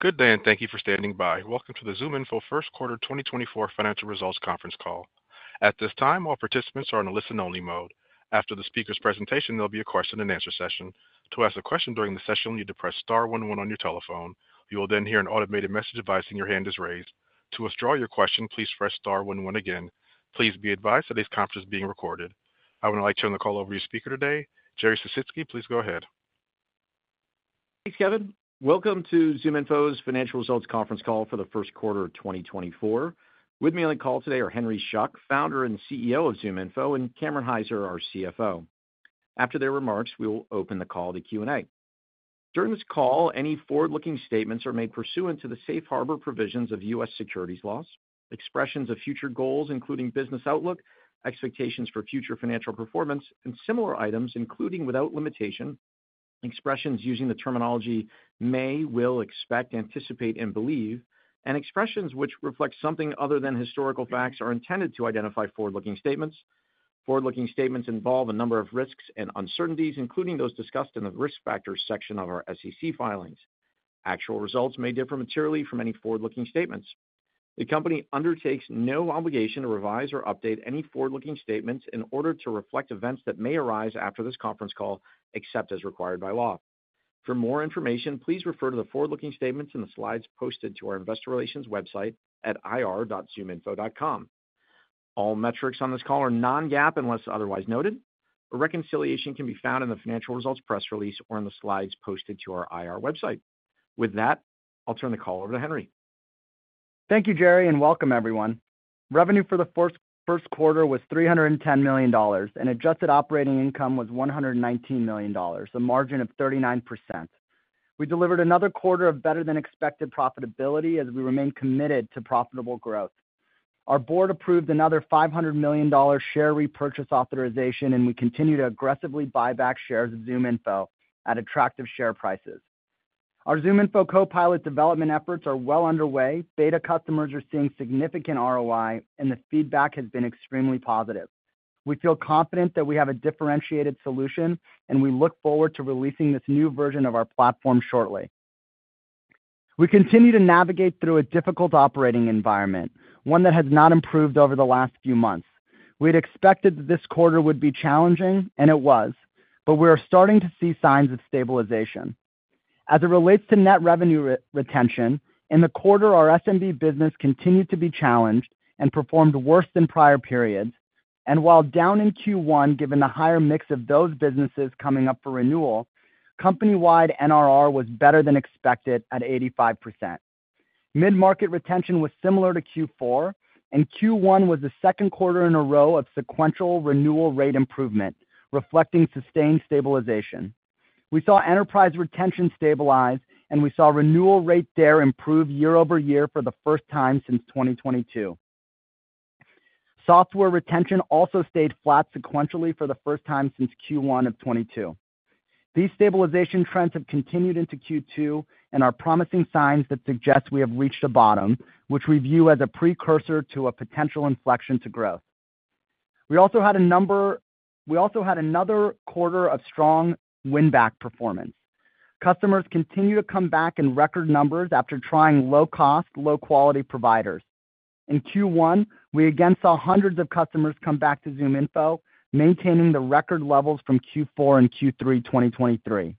Good day, and thank you for standing by. Welcome to the ZoomInfo First Quarter 2024 Financial Results Conference Call. At this time, all participants are in a listen-only mode. After the speaker's presentation, there'll be a question-and-answer session. To ask a question during the session, you need to press star one one on your telephone. You will then hear an automated message advising your hand is raised. To withdraw your question, please press star one one again. Please be advised that this conference is being recorded. I would now like to turn the call over to your speaker today, Jerry Sisitsky. Please go ahead. Thanks, Kevin. Welcome to ZoomInfo's Financial Results conference call for the first quarter of 2024. With me on the call today are Henry Schuck, Founder and CEO of ZoomInfo, and Cameron Hyzer, our CFO. After their remarks, we will open the call to Q&A. During this call, any forward-looking statements are made pursuant to the Safe Harbor Provisions of U.S. securities laws. Expressions of future goals, including business outlook, expectations for future financial performance, and similar items, including, without limitation, expressions using the terminology may, will, expect, anticipate, and believe, and expressions which reflect something other than historical facts are intended to identify forward-looking statements. Forward-looking statements involve a number of risks and uncertainties, including those discussed in the Risk Factors section of our SEC filings. Actual results may differ materially from any forward-looking statements. The company undertakes no obligation to revise or update any forward-looking statements in order to reflect events that may arise after this conference call, except as required by law. For more information, please refer to the forward-looking statements in the slides posted to our investor relations website at ir.zoominfo.com. All metrics on this call are non-GAAP, unless otherwise noted. A reconciliation can be found in the financial results press release or in the slides posted to our IR website. With that, I'll turn the call over to Henry. Thank you, Jerry, and welcome everyone. Revenue for the first quarter was $310 million, and adjusted operating income was $119 million, a margin of 39%. We delivered another quarter of better-than-expected profitability as we remain committed to profitable growth. Our board approved another $500 million share repurchase authorization, and we continue to aggressively buy back shares of ZoomInfo at attractive share prices. Our ZoomInfo Copilot development efforts are well underway. Beta customers are seeing significant ROI, and the feedback has been extremely positive. We feel confident that we have a differentiated solution, and we look forward to releasing this new version of our platform shortly. We continue to navigate through a difficult operating environment, one that has not improved over the last few months. We'd expected that this quarter would be challenging, and it was, but we are starting to see signs of stabilization. As it relates to net revenue retention, in the quarter, our SMB business continued to be challenged and performed worse than prior periods, and while down in Q1, given the higher mix of those businesses coming up for renewal, company-wide NRR was better than expected at 85%. Mid-market retention was similar to Q4, and Q1 was the second quarter in a row of sequential renewal rate improvement, reflecting sustained stabilization. We saw enterprise retention stabilize, and we saw renewal rate there improve year-over-year for the first time since 2022. Software retention also stayed flat sequentially for the first time since Q1 of 2022. These stabilization trends have continued into Q2 and are promising signs that suggest we have reached a bottom, which we view as a precursor to a potential inflection to growth. We also had another quarter of strong win-back performance. Customers continue to come back in record numbers after trying low-cost, low-quality providers. In Q1, we again saw hundreds of customers come back to ZoomInfo, maintaining the record levels from Q4 and Q3 2023.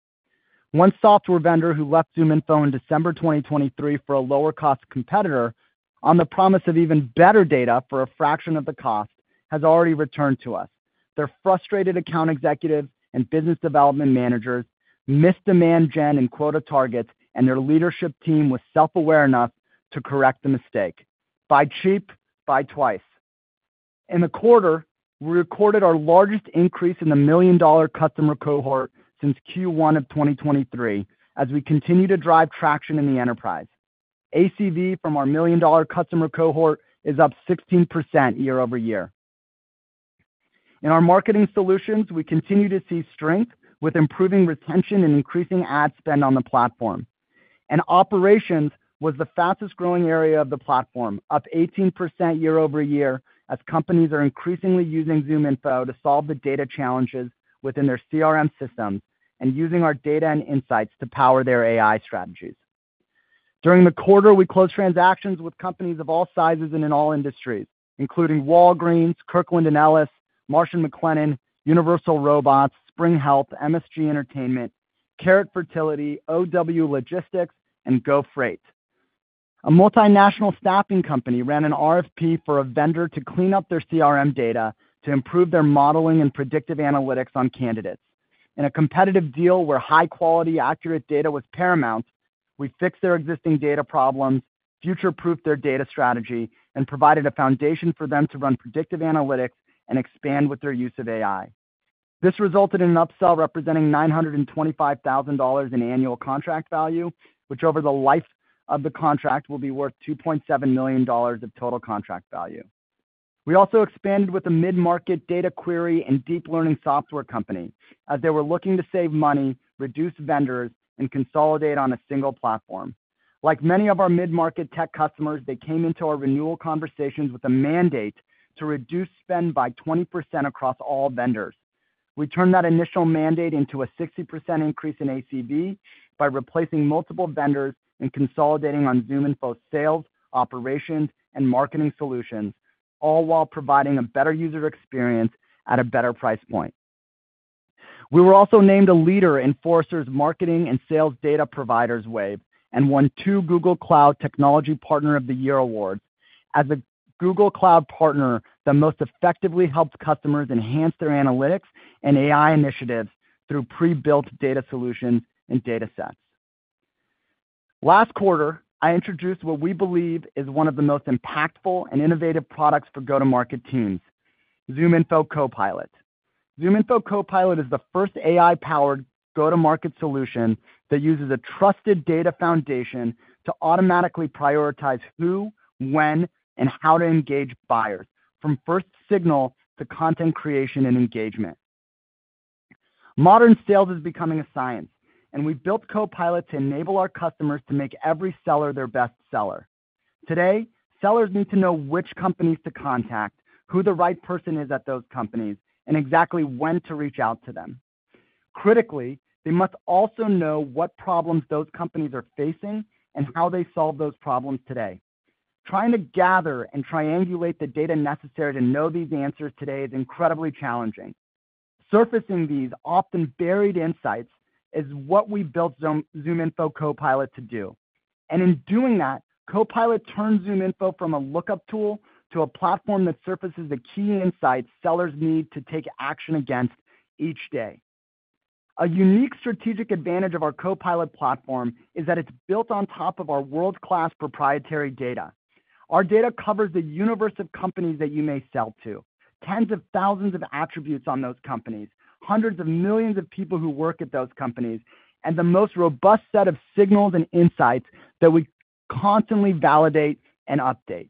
One software vendor who left ZoomInfo in December 2023 for a lower-cost competitor on the promise of even better data for a fraction of the cost, has already returned to us. Their frustrated account executives and business development managers missed demand gen and quota targets, and their leadership team was self-aware enough to correct the mistake. Buy cheap, buy twice. In the quarter, we recorded our largest increase in the million-dollar customer cohort since Q1 of 2023, as we continue to drive traction in the enterprise. ACV from our million-dollar customer cohort is up 16% year-over-year. In our marketing solutions, we continue to see strength, with improving retention and increasing ad spend on the platform. Operations was the fastest-growing area of the platform, up 18% year-over-year, as companies are increasingly using ZoomInfo to solve the data challenges within their CRM systems and using our data and insights to power their AI strategies. During the quarter, we closed transactions with companies of all sizes and in all industries, including Walgreens, Kirkland & Ellis, Marsh McLennan, Universal Robots, Spring Health, MSG Entertainment, Carrot Fertility, OW Logistics, and GoFreight. A multinational staffing company ran an RFP for a vendor to clean up their CRM data to improve their modeling and predictive analytics on candidates. In a competitive deal where high-quality, accurate data was paramount, we fixed their existing data problems, future-proofed their data strategy, and provided a foundation for them to run predictive analytics and expand with their use of AI. This resulted in an upsell representing $925,000 in annual contract value, which over the life of the contract, will be worth $2.7 million of total contract value. We also expanded with a mid-market data query and deep learning software company as they were looking to save money, reduce vendors, and consolidate on a single platform. Like many of our mid-market tech customers, they came into our renewal conversations with a mandate to reduce spend by 20% across all vendors. We turned that initial mandate into a 60% increase in ACV by replacing multiple vendors and consolidating on ZoomInfo Sales, Operations, and Marketing solutions, all while providing a better user experience at a better price point. We were also named a leader in Forrester's Marketing and Sales Data Providers Wave, and won two Google Cloud Technology Partner of the Year awards as a Google Cloud partner that most effectively helps customers enhance their analytics and AI initiatives through pre-built data solutions and data sets. Last quarter, I introduced what we believe is one of the most impactful and innovative products for go-to-market teams, ZoomInfo Copilot. ZoomInfo Copilot is the first AI-powered go-to-market solution that uses a trusted data foundation to automatically prioritize who, when, and how to engage buyers, from first signal to content creation and engagement. Modern sales is becoming a science, and we built Copilot to enable our customers to make every seller their best seller. Today, sellers need to know which companies to contact, who the right person is at those companies, and exactly when to reach out to them. Critically, they must also know what problems those companies are facing and how they solve those problems today. Trying to gather and triangulate the data necessary to know these answers today is incredibly challenging. Surfacing these often buried insights is what we built ZoomInfo Copilot to do. And in doing that, Copilot turns ZoomInfo from a lookup tool to a platform that surfaces the key insights sellers need to take action against each day. A unique strategic advantage of our Copilot platform is that it's built on top of our world-class proprietary data. Our data covers the universe of companies that you may sell to, tens of thousands of attributes on those companies, hundreds of millions of people who work at those companies, and the most robust set of signals and insights that we constantly validate and update.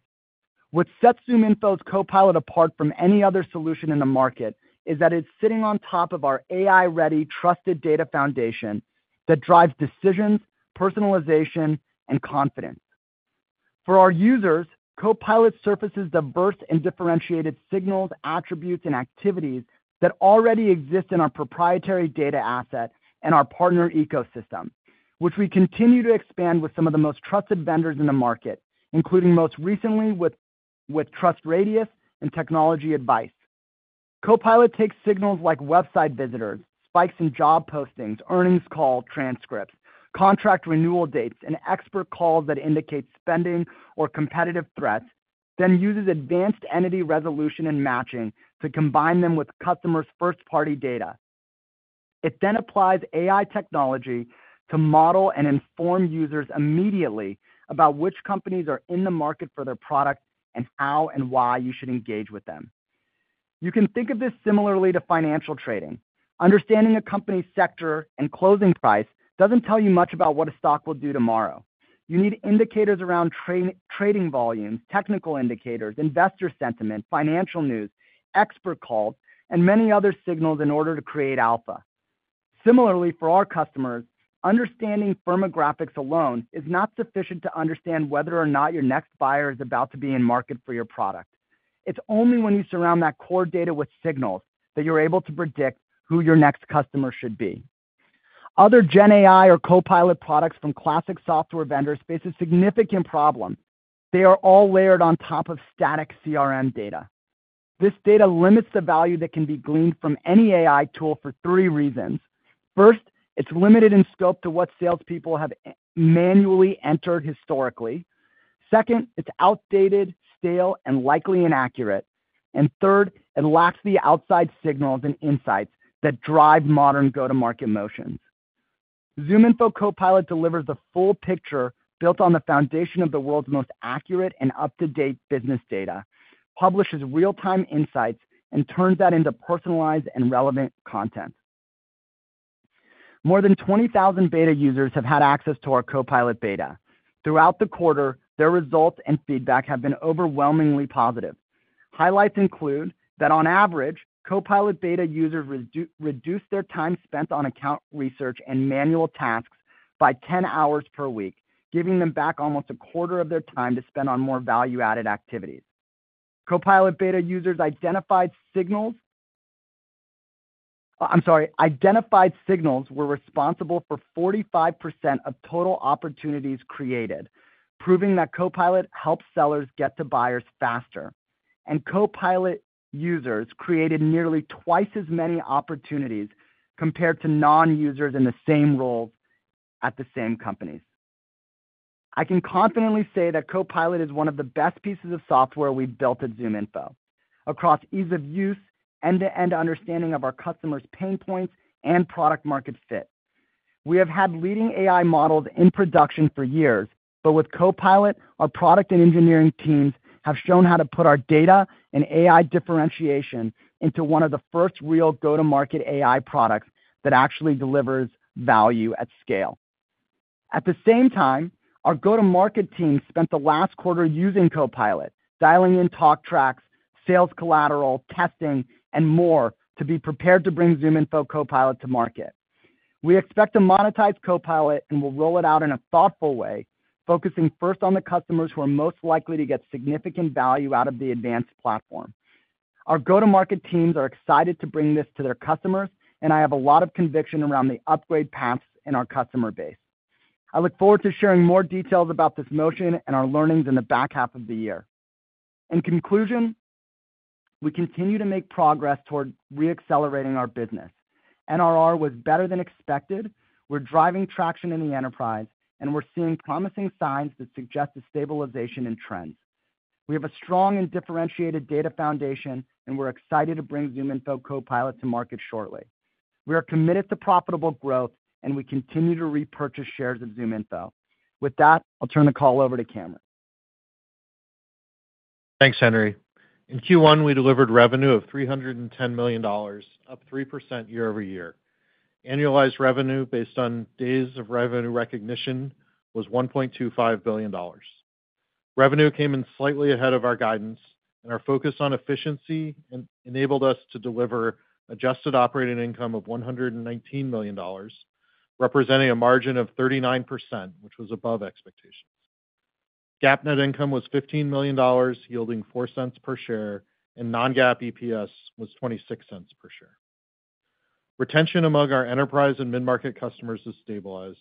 What sets ZoomInfo Copilot apart from any other solution in the market is that it's sitting on top of our AI-ready, trusted data foundation that drives decisions, personalization, and confidence. For our users, Copilot surfaces the burst and differentiated signals, attributes, and activities that already exist in our proprietary data asset and our partner ecosystem, which we continue to expand with some of the most trusted vendors in the market, including most recently with TrustRadius and TechnologyAdvice. Copilot takes signals like website visitors, spikes in job postings, earnings call transcripts, contract renewal dates, and expert calls that indicate spending or competitive threats, then uses advanced entity resolution and matching to combine them with customers' first-party data. It then applies AI technology to model and inform users immediately about which companies are in the market for their product and how and why you should engage with them. You can think of this similarly to financial trading. Understanding a company's sector and closing price doesn't tell you much about what a stock will do tomorrow. You need indicators around trading volumes, technical indicators, investor sentiment, financial news, expert calls, and many other signals in order to create alpha. Similarly, for our customers, understanding firmographics alone is not sufficient to understand whether or not your next buyer is about to be in market for your product. It's only when you surround that core data with signals that you're able to predict who your next customer should be. Other GenAI or Copilot products from classic software vendors face a significant problem: they are all layered on top of static CRM data. This data limits the value that can be gleaned from any AI tool for three reasons. First, it's limited in scope to what salespeople have manually entered historically. Second, it's outdated, stale, and likely inaccurate. And third, it lacks the outside signals and insights that drive modern go-to-market motions. ZoomInfo Copilot delivers the full picture built on the foundation of the world's most accurate and up-to-date business data, publishes real-time insights, and turns that into personalized and relevant content. More than 20,000 beta users have had access to our Copilot beta. Throughout the quarter, their results and feedback have been overwhelmingly positive. Highlights include that, on average, Copilot beta users reduced their time spent on account research and manual tasks by 10 hours per week, giving them back almost a quarter of their time to spend on more value-added activities. Copilot beta users identified signals were responsible for 45% of total opportunities created, proving that Copilot helps sellers get to buyers faster, and Copilot users created nearly twice as many opportunities compared to non-users in the same roles at the same companies. I can confidently say that Copilot is one of the best pieces of software we've built at ZoomInfo, across ease of use, end-to-end understanding of our customers' pain points, and product-market fit. We have had leading AI models in production for years, but with Copilot, our product and engineering teams have shown how to put our data and AI differentiation into one of the first real go-to-market AI products that actually delivers value at scale. At the same time, our go-to-market team spent the last quarter using Copilot, dialing in talk tracks, sales collateral, testing, and more to be prepared to bring ZoomInfo Copilot to market. We expect to monetize Copilot, and we'll roll it out in a thoughtful way, focusing first on the customers who are most likely to get significant value out of the advanced platform. Our go-to-market teams are excited to bring this to their customers, and I have a lot of conviction around the upgrade paths in our customer base. I look forward to sharing more details about this motion and our learnings in the back half of the year. In conclusion, we continue to make progress toward reaccelerating our business. NRR was better than expected. We're driving traction in the enterprise, and we're seeing promising signs that suggest a stabilization in trends. We have a strong and differentiated data foundation, and we're excited to bring ZoomInfo Copilot to market shortly. We are committed to profitable growth, and we continue to repurchase shares of ZoomInfo. With that, I'll turn the call over to Cameron. Thanks, Henry. In Q1, we delivered revenue of $310 million, up 3% year-over-year. Annualized revenue, based on days of revenue recognition, was $1.25 billion. Revenue came in slightly ahead of our guidance, and our focus on efficiency enabled us to deliver adjusted operating income of $119 million, representing a margin of 39%, which was above expectations. GAAP net income was $15 million, yielding $0.04 per share, and non-GAAP EPS was $0.26 per share. Retention among our enterprise and mid-market customers has stabilized,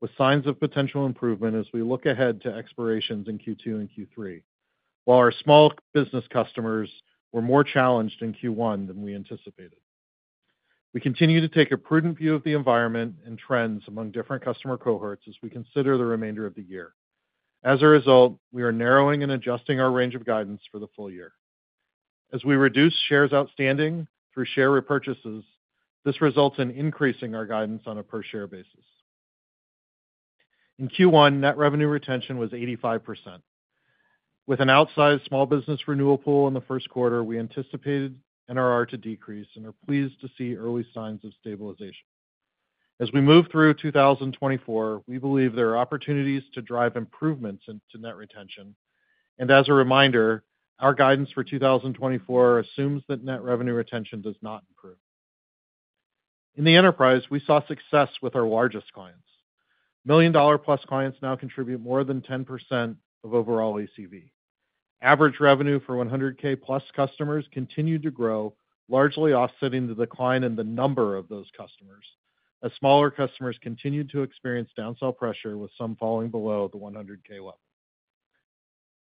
with signs of potential improvement as we look ahead to expirations in Q2 and Q3, while our small business customers were more challenged in Q1 than we anticipated. We continue to take a prudent view of the environment and trends among different customer cohorts as we consider the remainder of the year. As a result, we are narrowing and adjusting our range of guidance for the full year. As we reduce shares outstanding through share repurchases, this results in increasing our guidance on a per-share basis. In Q1, net revenue retention was 85%. With an outsized small business renewal pool in the first quarter, we anticipated NRR to decrease and are pleased to see early signs of stabilization. As we move through 2024, we believe there are opportunities to drive improvements into net retention. And as a reminder, our guidance for 2024 assumes that net revenue retention does not improve. In the enterprise, we saw success with our largest clients. Million-dollar-plus clients now contribute more than 10% of overall ACV. Average revenue for 100,000+ customers continued to grow, largely offsetting the decline in the number of those customers, as smaller customers continued to experience downsell pressure, with some falling below the 100,000 level.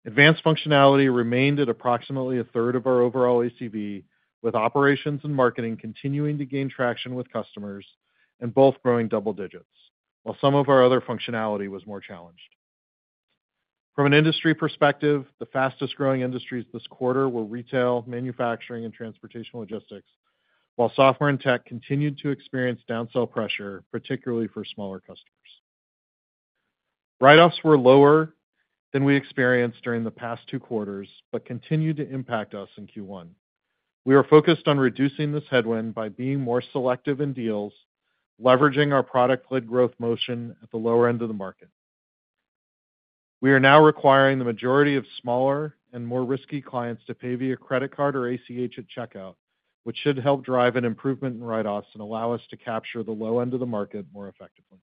Advanced functionality remained at approximately a third of our overall ACV, with operations and marketing continuing to gain traction with customers and both growing double digits, while some of our other functionality was more challenged. From an industry perspective, the fastest-growing industries this quarter were retail, manufacturing, and transportation logistics, while software and tech continued to experience downsell pressure, particularly for smaller customers. Write-offs were lower than we experienced during the past two quarters, but continued to impact us in Q1. We are focused on reducing this headwind by being more selective in deals, leveraging our product-led growth motion at the lower end of the market. We are now requiring the majority of smaller and more risky clients to pay via credit card or ACH at checkout, which should help drive an improvement in write-offs and allow us to capture the low end of the market more effectively.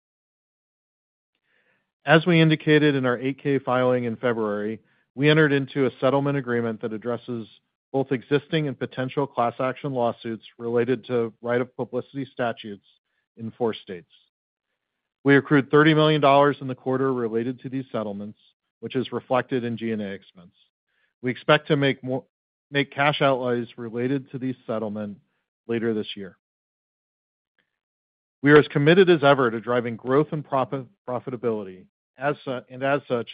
As we indicated in our 8-K filing in February, we entered into a settlement agreement that addresses both existing and potential class action lawsuits related to right of publicity statutes in four states. We accrued $30 million in the quarter related to these settlements, which is reflected in G&A expense. We expect to make cash outlays related to these settlements later this year. We are as committed as ever to driving growth and profitability. As such, and as such,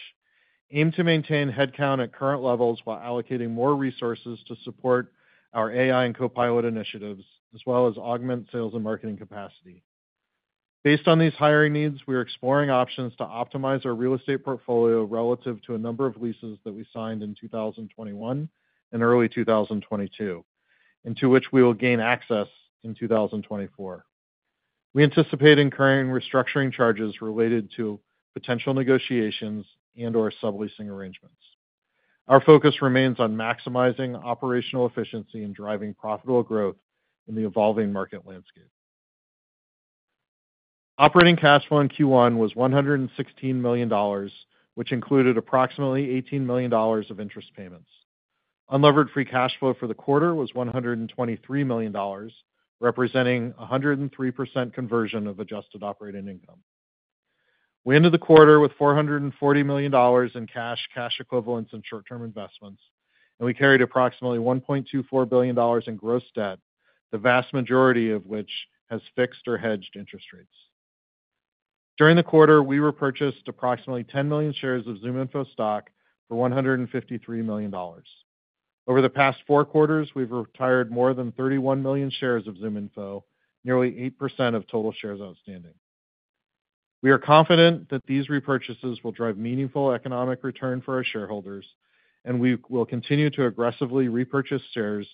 aim to maintain headcount at current levels while allocating more resources to support our AI and Copilot initiatives, as well as augment sales and marketing capacity. Based on these hiring needs, we are exploring options to optimize our real estate portfolio relative to a number of leases that we signed in 2021 and early 2022, into which we will gain access in 2024. We anticipate incurring restructuring charges related to potential negotiations and/or subleasing arrangements. Our focus remains on maximizing operational efficiency and driving profitable growth in the evolving market landscape. Operating cash flow in Q1 was $116 million, which included approximately $18 million of interest payments. Unlevered free cash flow for the quarter was $123 million, representing 103% conversion of adjusted operating income. We ended the quarter with $440 million in cash, cash equivalents, and short-term investments, and we carried approximately $1.24 billion in gross debt, the vast majority of which has fixed or hedged interest rates. During the quarter, we repurchased approximately 10 million shares of ZoomInfo stock for $153 million. Over the past four quarters, we've retired more than 31 million shares of ZoomInfo, nearly 8% of total shares outstanding. We are confident that these repurchases will drive meaningful economic return for our shareholders, and we will continue to aggressively repurchase shares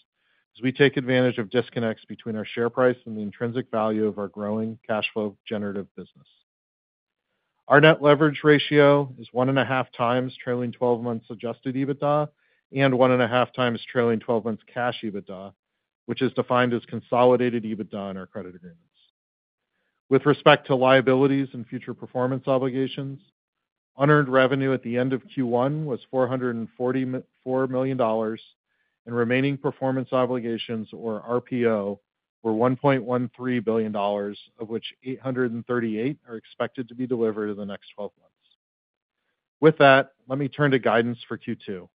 as we take advantage of disconnects between our share price and the intrinsic value of our growing cash flow generative business. Our net leverage ratio is 1.5x trailing 12 months adjusted EBITDA and 1.5x trailing 12 months cash EBITDA, which is defined as consolidated EBITDA in our credit agreements. With respect to liabilities and future performance obligations, unearned revenue at the end of Q1 was $444 million, and remaining performance obligations, or RPO, were $1.13 billion, of which $838 million are expected to be delivered in the next 12 months. With that, let me turn to guidance for Q2.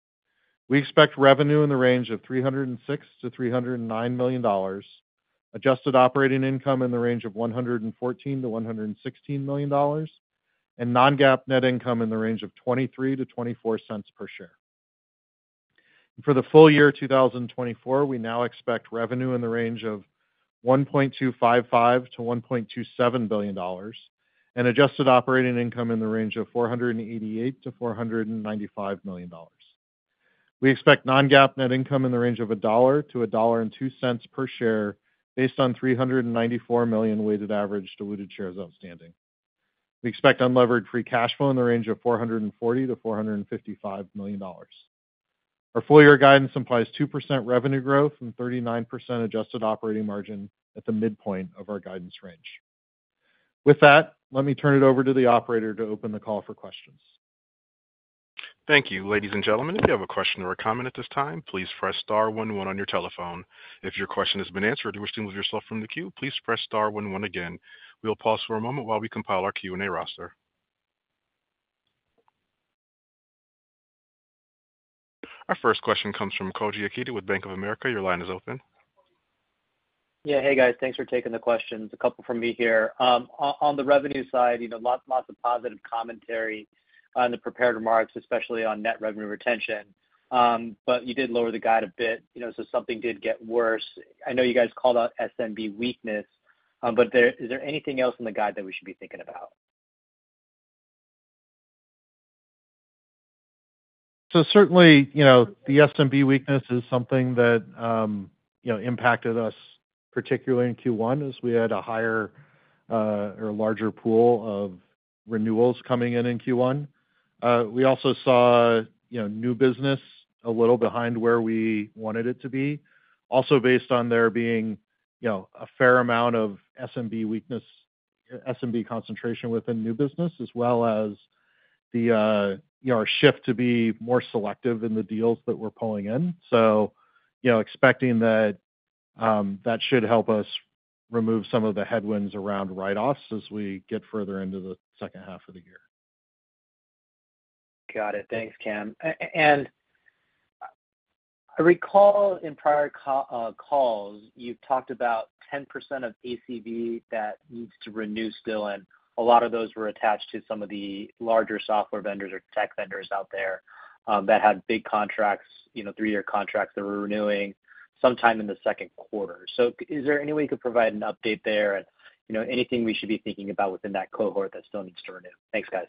We expect revenue in the range of $306 million-$309 million, adjusted operating income in the range of $114 million-$116 million, and non-GAAP net income in the range of $0.23-$0.24 per share. For the full year, 2024, we now expect revenue in the range of $1.255 billion-$1.27 billion, and adjusted operating income in the range of $488 million-$495 million. We expect non-GAAP net income in the range of $1.00-$1.02 per share, based on 394 million weighted average diluted shares outstanding. We expect unlevered free cash flow in the range of $440 million-$455 million. Our full year guidance implies 2% revenue growth and 39% adjusted operating margin at the midpoint of our guidance range. With that, let me turn it over to the operator to open the call for questions. Thank you. Ladies and gentlemen, if you have a question or a comment at this time, please press star one one on your telephone. If your question has been answered, or you wish to remove yourself from the queue, please press star one one again. We'll pause for a moment while we compile our Q&A roster. Our first question comes from Koji Ikeda with Bank of America. Your line is open. Yeah. Hey, guys. Thanks for taking the questions. A couple from me here. On the revenue side, you know, lots of positive commentary on the prepared remarks, especially on net revenue retention. But you did lower the guide a bit, you know, so something did get worse. I know you guys called out SMB weakness, but there, is there anything else in the guide that we should be thinking about? So certainly, you know, the SMB weakness is something that, you know, impacted us, particularly in Q1, as we had a higher, or larger pool of renewals coming in in Q1. We also saw, you know, new business a little behind where we wanted it to be. Also based on there being, you know, a fair amount of SMB weakness, SMB concentration within new business, as well as the, you know, our shift to be more selective in the deals that we're pulling in. So, you know, expecting that, that should help us remove some of the headwinds around write-offs as we get further into the second half of the year. Got it. Thanks, Cam. And I recall in prior calls, you've talked about 10% of ACV that needs to renew still, and a lot of those were attached to some of the larger software vendors or tech vendors out there, that had big contracts, you know, three-year contracts that were renewing sometime in the second quarter. So is there any way you could provide an update there? And, you know, anything we should be thinking about within that cohort that still needs to renew? Thanks, guys.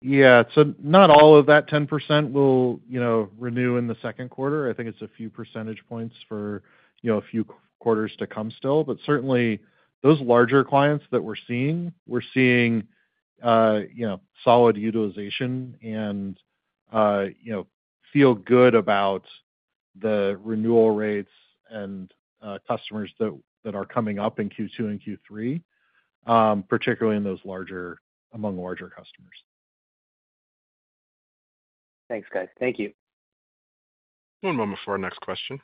Yeah. So not all of that 10% will, you know, renew in the second quarter. I think it's a few percentage points for, you know, a few quarters to come still. But certainly, those larger clients that we're seeing, we're seeing, you know, solid utilization and, you know, feel good about the renewal rates and, customers that are coming up in Q2 and Q3, particularly in those larger, among larger customers. Thanks, guys. Thank you. One moment for our next question.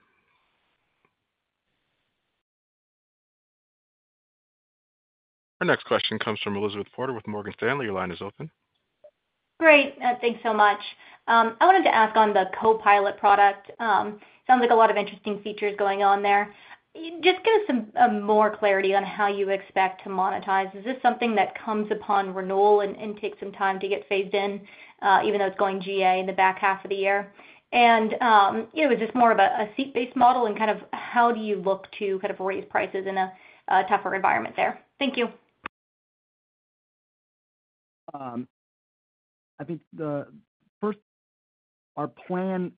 Our next question comes from Elizabeth Porter with Morgan Stanley. Your line is open. Great, thanks so much. I wanted to ask on the Copilot product. Sounds like a lot of interesting features going on there. Just give us some more clarity on how you expect to monetize. Is this something that comes upon renewal and takes some time to get phased in, even though it's going GA in the back half of the year? And, you know, is this more of a seat-based model, and kind of how do you look to kind of raise prices in a tougher environment there? Thank you. I think our plan,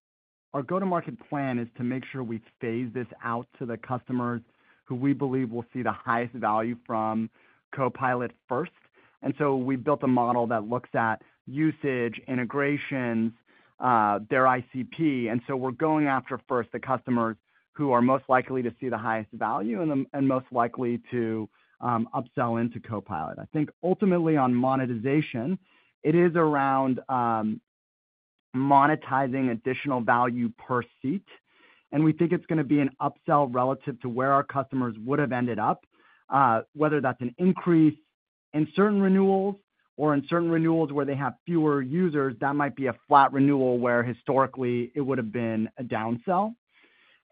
our go-to-market plan is to make sure we phase this out to the customers who we believe will see the highest value from Copilot first. And so we built a model that looks at usage, integrations, their ICP, and so we're going after, first, the customers who are most likely to see the highest value and most likely to upsell into Copilot. I think ultimately on monetization, it is around monetizing additional value per seat, and we think it's gonna be an upsell relative to where our customers would have ended up, whether that's an increase in certain renewals or in certain renewals where they have fewer users, that might be a flat renewal, where historically it would have been a downsell.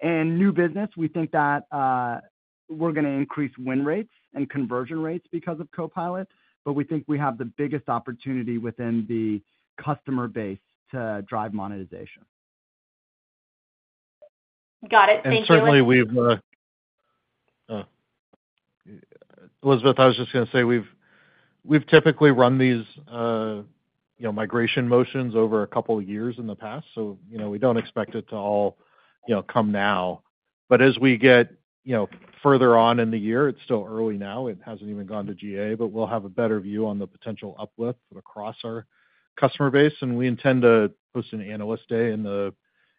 In new business, we think that, we're gonna increase win rates and conversion rates because of Copilot, but we think we have the biggest opportunity within the customer base to drive monetization. Got it. Thank you- Certainly, we've, Elizabeth, I was just gonna say, we've, we've typically run these, you know, migration motions over a couple of years in the past, so, you know, we don't expect it to all, you know, come now. But as we get, you know, further on in the year, it's still early now, it hasn't even gone to GA, but we'll have a better view on the potential uplift across our customer base. And we intend to host an Analyst Day in the,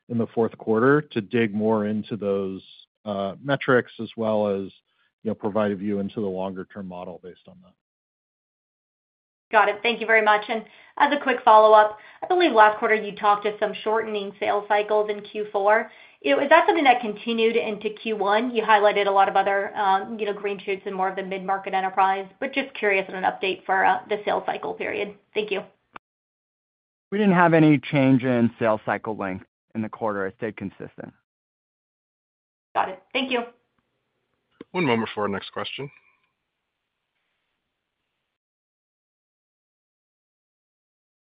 in the fourth quarter to dig more into those metrics as well as, you know, provide a view into the longer-term model based on that. Got it. Thank you very much. As a quick follow-up, I believe last quarter you talked to some shortening sales cycles in Q4. You know, is that something that continued into Q1? You highlighted a lot of other, you know, green shoots in more of the mid-market enterprise, but just curious on an update for the sales cycle period. Thank you. We didn't have any change in sales cycle length in the quarter. It stayed consistent. Got it. Thank you. One moment for our next question.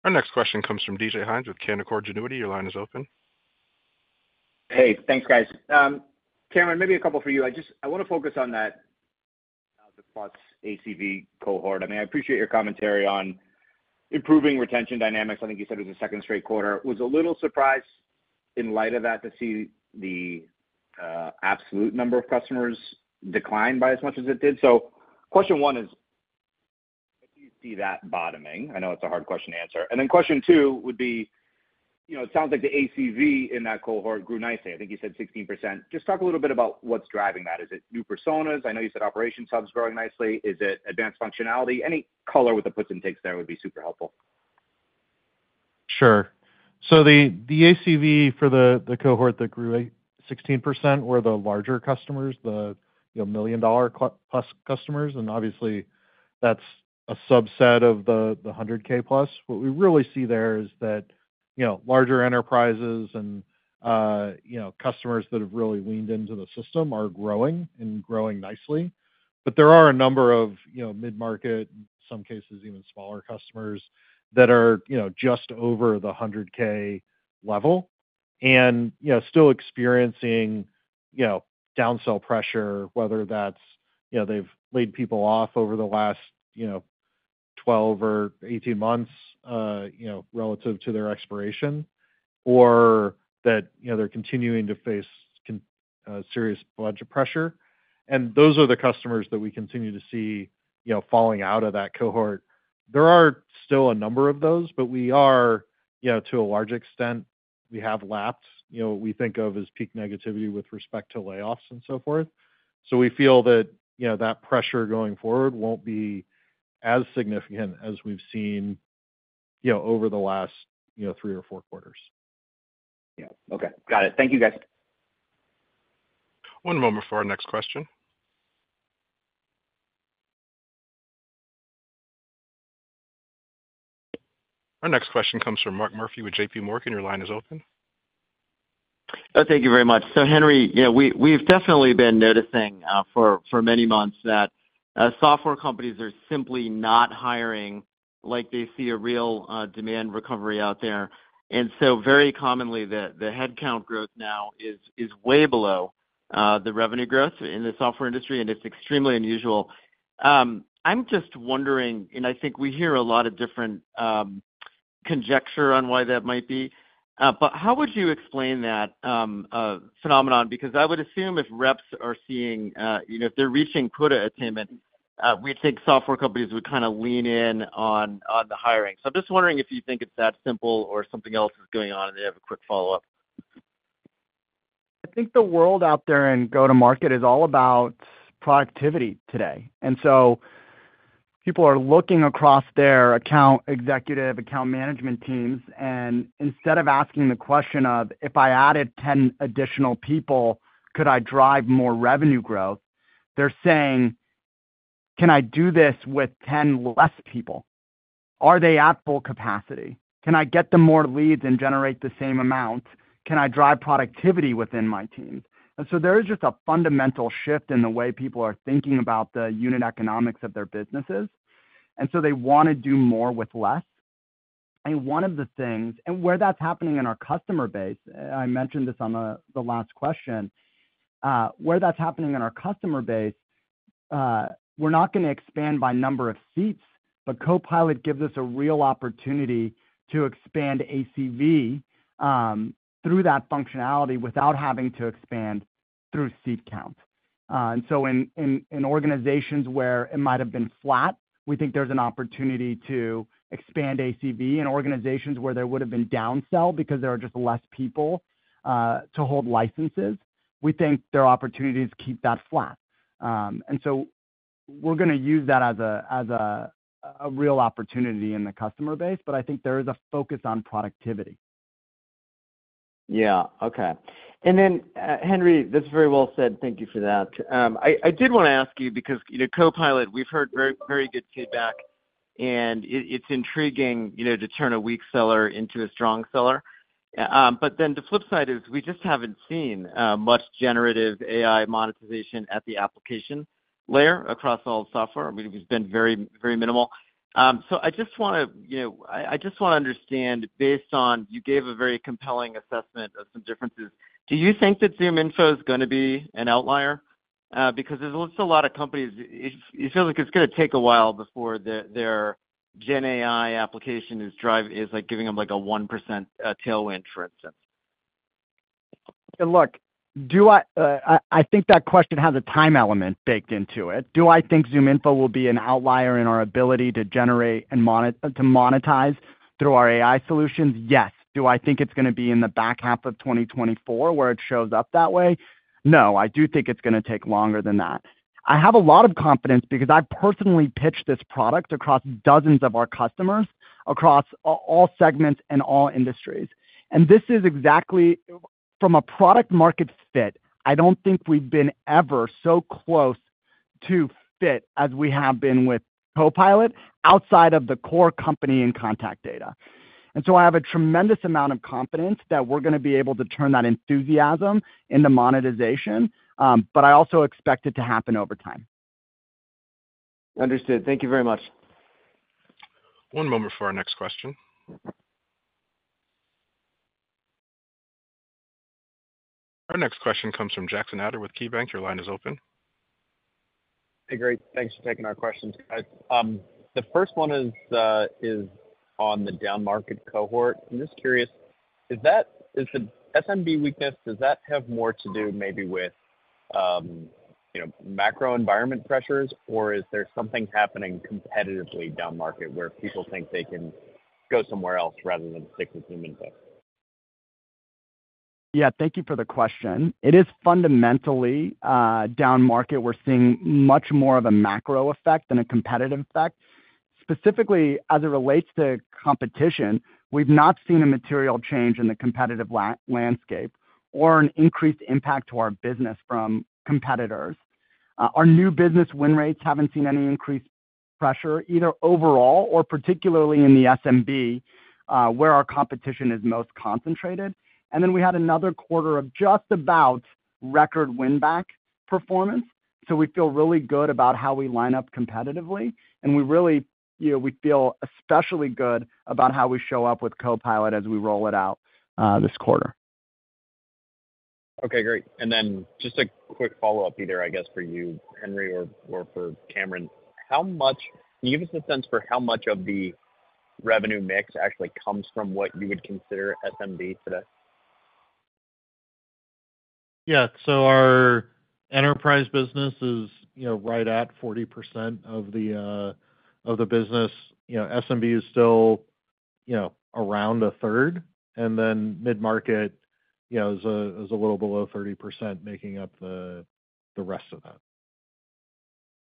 Our next question comes from D.J. Hynes with Canaccord Genuity. Your line is open. Hey, thanks, guys. Cameron, maybe a couple for you. I just wanna focus on that, the low ACV cohort. I mean, I appreciate your commentary on improving retention dynamics. I think you said it was the second straight quarter. Was a little surprised in light of that, to see the absolute number of customers decline by as much as it did. So question one is, do you see that bottoming? I know it's a hard question to answer. And then question two would be, you know, it sounds like the ACV in that cohort grew nicely. I think you said 16%. Just talk a little bit about what's driving that. Is it new personas? I know you said Operations Hub growing nicely. Is it advanced functionality? Any color with the puts and takes there would be super helpful. Sure. So the ACV for the cohort that grew 8%-16% were the larger customers, you know, million-dollar-plus customers, and obviously, that's a subset of the 100,000+. What we really see there is that, you know, larger enterprises and, you know, customers that have really leaned into the system are growing and growing nicely. But there are a number of, you know, mid-market, some cases, even smaller customers, that are, you know, just over the 100,000 level and, you know, still experiencing, you know, downsell pressure, whether that's, you know, they've laid people off over the last, you know, 12 or 18 months, you know, relative to their expiration, or that, you know, they're continuing to face serious budget pressure. Those are the customers that we continue to see, you know, falling out of that cohort. There are still a number of those, but we are, you know, to a large extent, we have lapsed. You know, we think of as peak negativity with respect to layoffs and so forth. So we feel that, you know, that pressure going forward won't be as significant as we've seen, you know, over the last, you know, three or four quarters. Yeah. Okay. Got it. Thank you, guys. One moment for our next question. Our next question comes from Mark Murphy with JPMorgan. Your line is open. Oh, thank you very much. So, Henry, you know, we've definitely been noticing for many months that software companies are simply not hiring like they see a real demand recovery out there. And so very commonly, the headcount growth now is way below the revenue growth in the software industry, and it's extremely unusual. I'm just wondering, and I think we hear a lot of different conjecture on why that might be, but how would you explain that phenomenon? Because I would assume if reps are seeing, you know, if they're reaching quota attainment, we'd think software companies would kind of lean in on the hiring. So I'm just wondering if you think it's that simple or something else is going on. And I have a quick follow-up. I think the world out there in go-to-market is all about productivity today, and so people are looking across their account, executive account management teams, and instead of asking the question of: If I added 10 additional people, could I drive more revenue growth? They're saying: Can I do this with 10 less people? Are they at full capacity? Can I get them more leads and generate the same amount? Can I drive productivity within my teams? And so there is just a fundamental shift in the way people are thinking about the unit economics of their businesses, and so they wanna do more with less. And one of the things where that's happening in our customer base, I mentioned this on the last question. Where that's happening in our customer base, we're not gonna expand by number of seats, but Copilot gives us a real opportunity to expand ACV through that functionality without having to expand through seat count. And so in organizations where it might have been flat, we think there's an opportunity to expand ACV. In organizations where there would've been downsell because there are just less people to hold licenses, we think there are opportunities to keep that flat. And so we're gonna use that as a real opportunity in the customer base, but I think there is a focus on productivity. Yeah. Okay. Then, Henry, this is very well said. Thank you for that. I did wanna ask you, because, you know, Copilot, we've heard very, very good feedback, and it, it's intriguing, you know, to turn a weak seller into a strong seller. But then the flip side is, we just haven't seen much generative AI monetization at the application layer across all of software. I mean, it's been very, very minimal. So I just wanna, you know, I just wanna understand, based on... You gave a very compelling assessment of some differences. Do you think that ZoomInfo is gonna be an outlier?... because there's still a lot of companies, it feels like it's gonna take a while before their GenAI application is driving, like, giving them, like, a 1% tailwind, for instance. Look, do I, I think that question has a time element baked into it. Do I think ZoomInfo will be an outlier in our ability to generate and monetize through our AI solutions? Yes. Do I think it's gonna be in the back half of 2024, where it shows up that way? No, I do think it's gonna take longer than that. I have a lot of confidence because I've personally pitched this product across dozens of our customers, across all segments and all industries. And this is exactly... From a product-market fit, I don't think we've been ever so close to fit as we have been with Copilot, outside of the core company and contact data. I have a tremendous amount of confidence that we're gonna be able to turn that enthusiasm into monetization, but I also expect it to happen over time. Understood. Thank you very much. One moment for our next question. Our next question comes from Jackson Ader with KeyBanc. Your line is open. Hey, great. Thanks for taking our questions, guys. The first one is on the downmarket cohort. I'm just curious, is the SMB weakness, does that have more to do maybe with, you know, macro environment pressures? Or is there something happening competitively downmarket, where people think they can go somewhere else rather than stick with ZoomInfo? Yeah, thank you for the question. It is fundamentally downmarket. We're seeing much more of a macro effect than a competitive effect. Specifically, as it relates to competition, we've not seen a material change in the competitive landscape or an increased impact to our business from competitors. Our new business win rates haven't seen any increased pressure, either overall or particularly in the SMB, where our competition is most concentrated. And then we had another quarter of just about record win-back performance, so we feel really good about how we line up competitively, and we really, you know, we feel especially good about how we show up with Copilot as we roll it out this quarter. Okay, great. And then just a quick follow-up, either I guess for you, Henry, or, or for Cameron. How much... Can you give us a sense for how much of the revenue mix actually comes from what you would consider SMB today? Yeah. So our enterprise business is, you know, right at 40% of the, of the business. You know, SMB is still, you know, around a third, and then mid-market, you know, is a, is a little below 30%, making up the, the rest of that.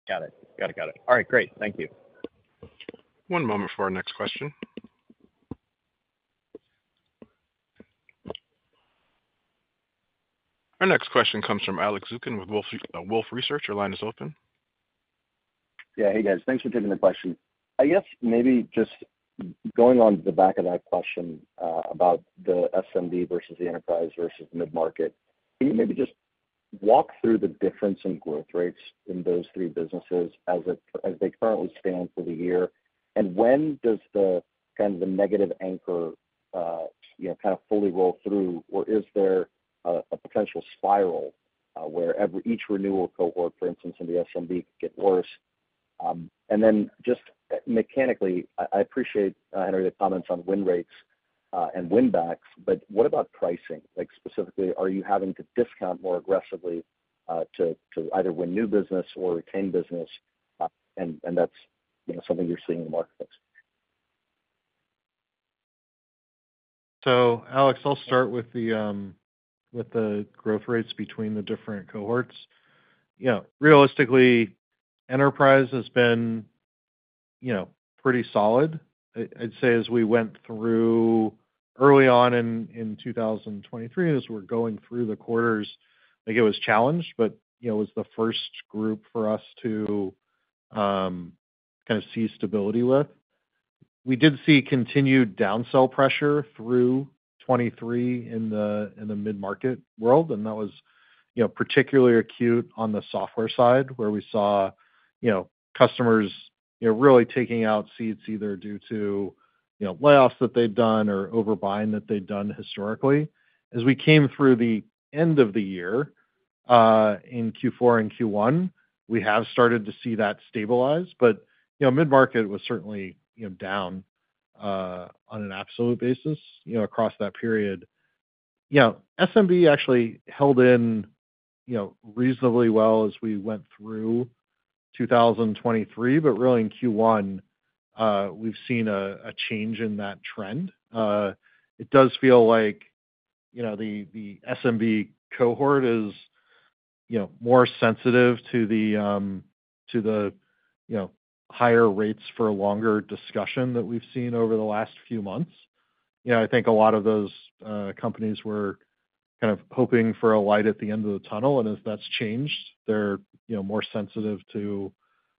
Got it. Got it, got it. All right, great. Thank you. One moment for our next question. Our next question comes from Alex Zukin with Wolfe, Wolfe Research. Your line is open. Yeah. Hey, guys. Thanks for taking the question. I guess maybe just going on to the back of that question, about the SMB, versus the enterprise, versus mid-market, can you maybe just walk through the difference in growth rates in those three businesses as it, as they currently stand for the year? And when does the, kind of the negative anchor, you know, kind of fully roll through, or is there a, a potential spiral, where each renewal cohort, for instance, in the SMB, get worse? And then just mechanically, I appreciate, Henry, the comments on win rates and win backs, but what about pricing? Like, specifically, are you having to discount more aggressively, to, to either win new business or retain business, and, and that's, you know, something you're seeing in the marketplace? So Alex, I'll start with the growth rates between the different cohorts. You know, realistically, enterprise has been, you know, pretty solid. I'd say as we went through early on in 2023, as we're going through the quarters, like, it was challenged, but, you know, it was the first group for us to kind of see stability with. We did see continued downsell pressure through 2023 in the mid-market world, and that was, you know, particularly acute on the software side, where we saw, you know, customers, you know, really taking out seats, either due to, you know, layoffs that they'd done or overbuying that they'd done historically. As we came through the end of the year in Q4 and Q1, we have started to see that stabilize. But, you know, mid-market was certainly, you know, down on an absolute basis, you know, across that period. You know, SMB actually held in, you know, reasonably well as we went through 2023, but really in Q1, we've seen a change in that trend. It does feel like, you know, the SMB cohort is, you know, more sensitive to the, to the higher rates for a longer discussion that we've seen over the last few months. You know, I think a lot of those companies were kind of hoping for a light at the end of the tunnel, and as that's changed, they're, you know, more sensitive to,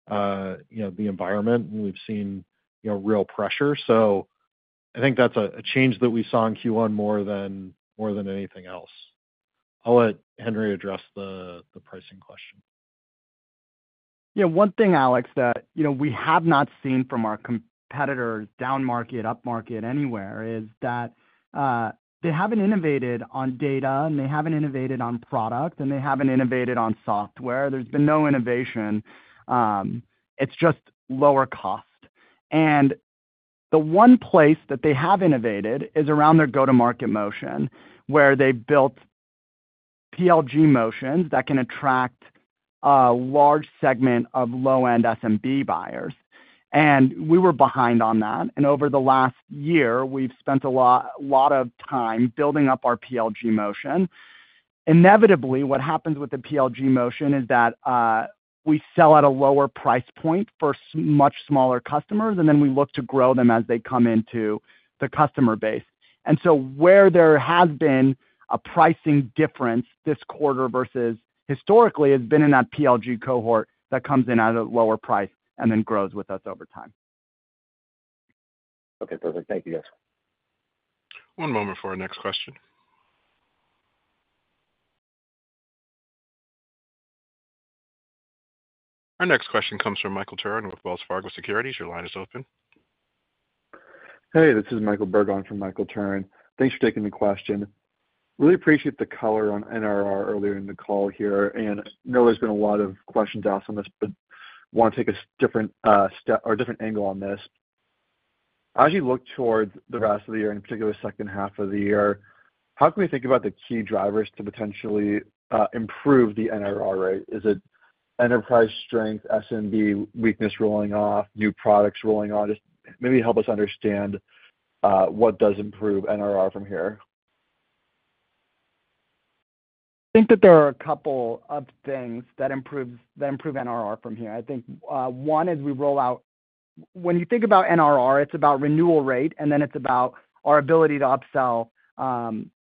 you know, the environment, and we've seen, you know, real pressure. So I think that's a change that we saw in Q1 more than anything else. I'll let Henry address the pricing question.... Yeah, one thing, Alex, that, you know, we have not seen from our competitors, downmarket, upmarket, anywhere, is that, they haven't innovated on data, and they haven't innovated on product, and they haven't innovated on software. There's been no innovation. It's just lower cost. And the one place that they have innovated is around their go-to-market motion, where they've built PLG motions that can attract a large segment of low-end SMB buyers. And we were behind on that, and over the last year, we've spent a lot, lot of time building up our PLG motion. Inevitably, what happens with the PLG motion is that, we sell at a lower price point for much smaller customers, and then we look to grow them as they come into the customer base. Where there has been a pricing difference this quarter versus historically, has been in that PLG cohort that comes in at a lower price and then grows with us over time. Okay, perfect. Thank you, guys. One moment for our next question. Our next question comes from Michael Turrin with Wells Fargo Securities. Your line is open. Hey, this is Michael Berg from Michael Turrin. Thanks for taking the question. Really appreciate the color on NRR earlier in the call here, and I know there's been a lot of questions asked on this, but want to take a different step or a different angle on this. As you look towards the rest of the year, in particular, the second half of the year, how can we think about the key drivers to potentially improve the NRR rate? Is it enterprise strength, SMB weakness rolling off, new products rolling on? Just maybe help us understand what does improve NRR from here. I think that there are a couple of things that improves, that improve NRR from here. I think, one, as we roll out, when you think about NRR, it's about renewal rate, and then it's about our ability to upsell,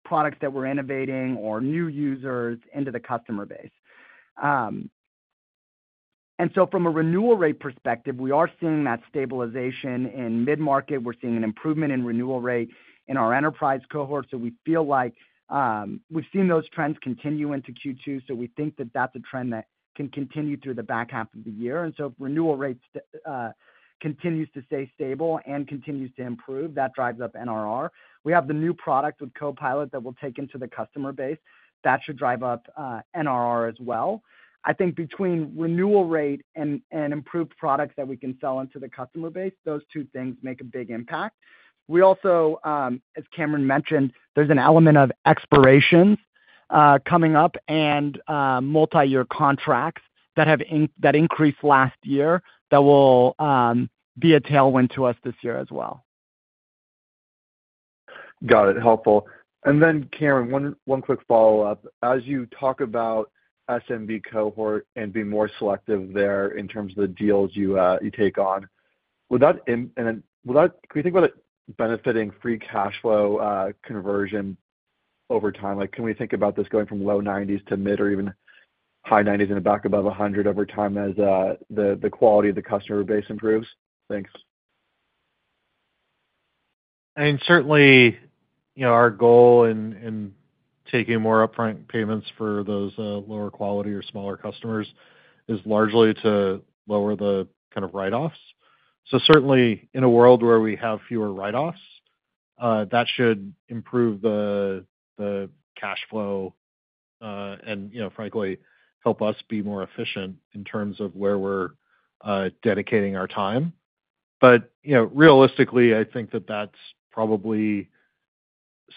products that we're innovating or new users into the customer base. And so from a renewal rate perspective, we are seeing that stabilization in mid-market. We're seeing an improvement in renewal rate in our enterprise cohort, so we feel like, we've seen those trends continue into Q2, so we think that that's a trend that can continue through the back half of the year. And so renewal rates, continues to stay stable and continues to improve, that drives up NRR. We have the new product with Copilot that we'll take into the customer base. That should drive up, NRR as well. I think between renewal rate and improved products that we can sell into the customer base, those two things make a big impact. We also, as Cameron mentioned, there's an element of expirations, coming up and, multiyear contracts that have increased last year, that will, be a tailwind to us this year as well. Got it. Helpful. Then, Cameron, one quick follow-up. As you talk about SMB cohort and be more selective there in terms of the deals you take on, would that and then would that... Can you think about it benefiting free cash flow conversion over time? Like, can we think about this going from low 90s% to mid- or even high 90s% and back above 100% over time as the quality of the customer base improves? Thanks. I mean, certainly, you know, our goal in taking more upfront payments for those lower quality or smaller customers is largely to lower the kind of write-offs. So certainly, in a world where we have fewer write-offs, that should improve the cash flow, and, you know, frankly, help us be more efficient in terms of where we're dedicating our time. But, you know, realistically, I think that that's probably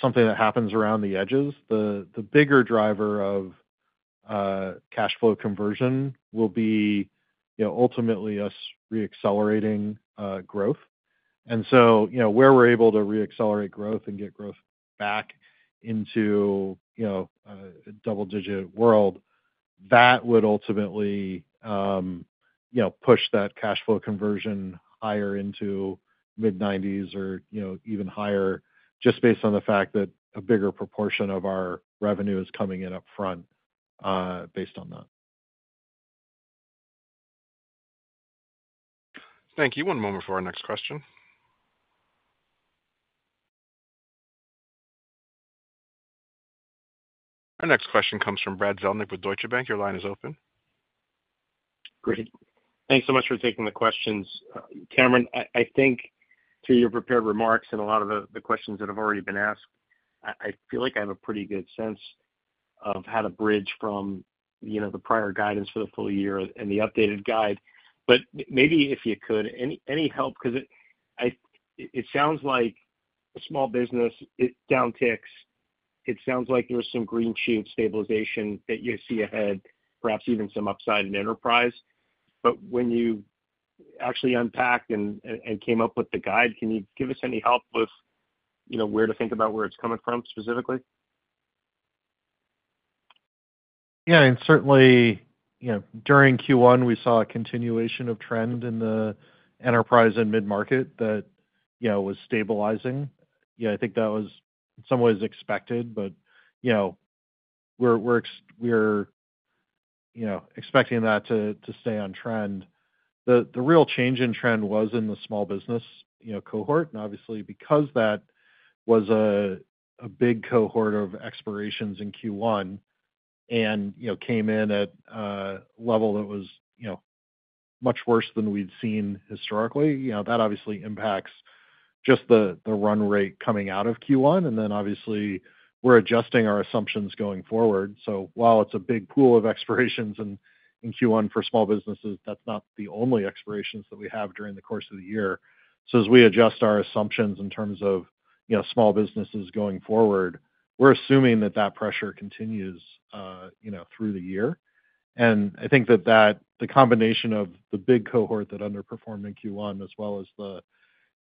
something that happens around the edges. The bigger driver of cash flow conversion will be, you know, ultimately us reaccelerating growth. And so, you know, where we're able to reaccelerate growth and get growth back into, you know, a double-digit world, that would ultimately, you know, push that cash flow conversion higher into mid-90s% or, you know, even higher, just based on the fact that a bigger proportion of our revenue is coming in upfront, based on that. Thank you. One moment for our next question. Our next question comes from Brad Zelnick with Deutsche Bank. Your line is open. Great. Thanks so much for taking the questions. Cameron, I think to your prepared remarks and a lot of the questions that have already been asked, I feel like I have a pretty good sense of how to bridge from, you know, the prior guidance for the full year and the updated guide. But maybe if you could, any help? Because it sounds like small business, it downticks. It sounds like there was some green shoot stabilization that you see ahead, perhaps even some upside in enterprise. But when you actually unpacked and came up with the guide, can you give us any help with, you know, where to think about where it's coming from specifically? Yeah, and certainly, you know, during Q1, we saw a continuation of trend in the enterprise and mid-market that, you know, was stabilizing. Yeah, I think that was in some ways expected, but, you know, we're expecting that to stay on trend. The real change in trend was in the small business, you know, cohort, and obviously, because that was a big cohort of expirations in Q1 and, you know, came in at a level that was, you know, much worse than we'd seen historically, you know, that obviously impacts just the run rate coming out of Q1. And then obviously, we're adjusting our assumptions going forward. So while it's a big pool of expirations in Q1 for small businesses, that's not the only expirations that we have during the course of the year. So as we adjust our assumptions in terms of, you know, small businesses going forward, we're assuming that pressure continues, you know, through the year. And I think that the combination of the big cohort that underperformed in Q1, as well as the,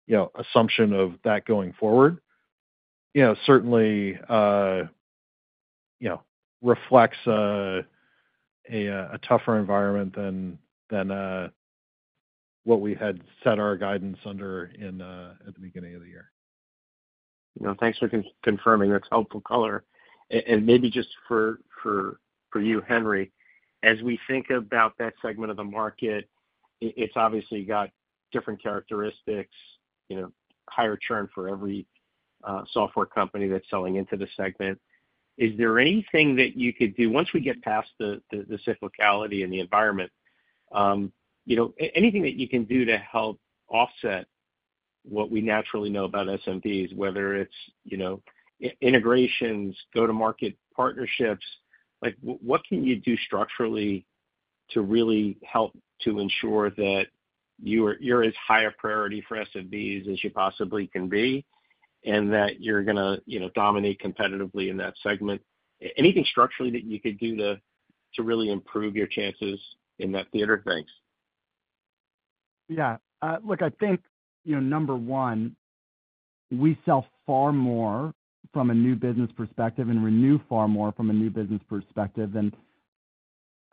you know, assumption of that going forward, you know, certainly, you know, reflects a tougher environment than what we had set our guidance under in at the beginning of the year. You know, thanks for confirming. That's helpful color. And maybe just for you, Henry, as we think about that segment of the market, it's obviously got different characteristics, you know, higher churn for every software company that's selling into the segment. Is there anything that you could do, once we get past the cyclicality and the environment, you know, anything that you can do to help offset what we naturally know about SMBs, whether it's, you know, integrations, go-to-market partnerships? Like, what can you do structurally to really help to ensure that you're as high a priority for SMBs as you possibly can be, and that you're gonna, you know, dominate competitively in that segment? Anything structurally that you could do to really improve your chances in that theater? Thanks. Yeah. Look, I think, you know, number one, we sell far more from a new business perspective and renew far more from a new business perspective, than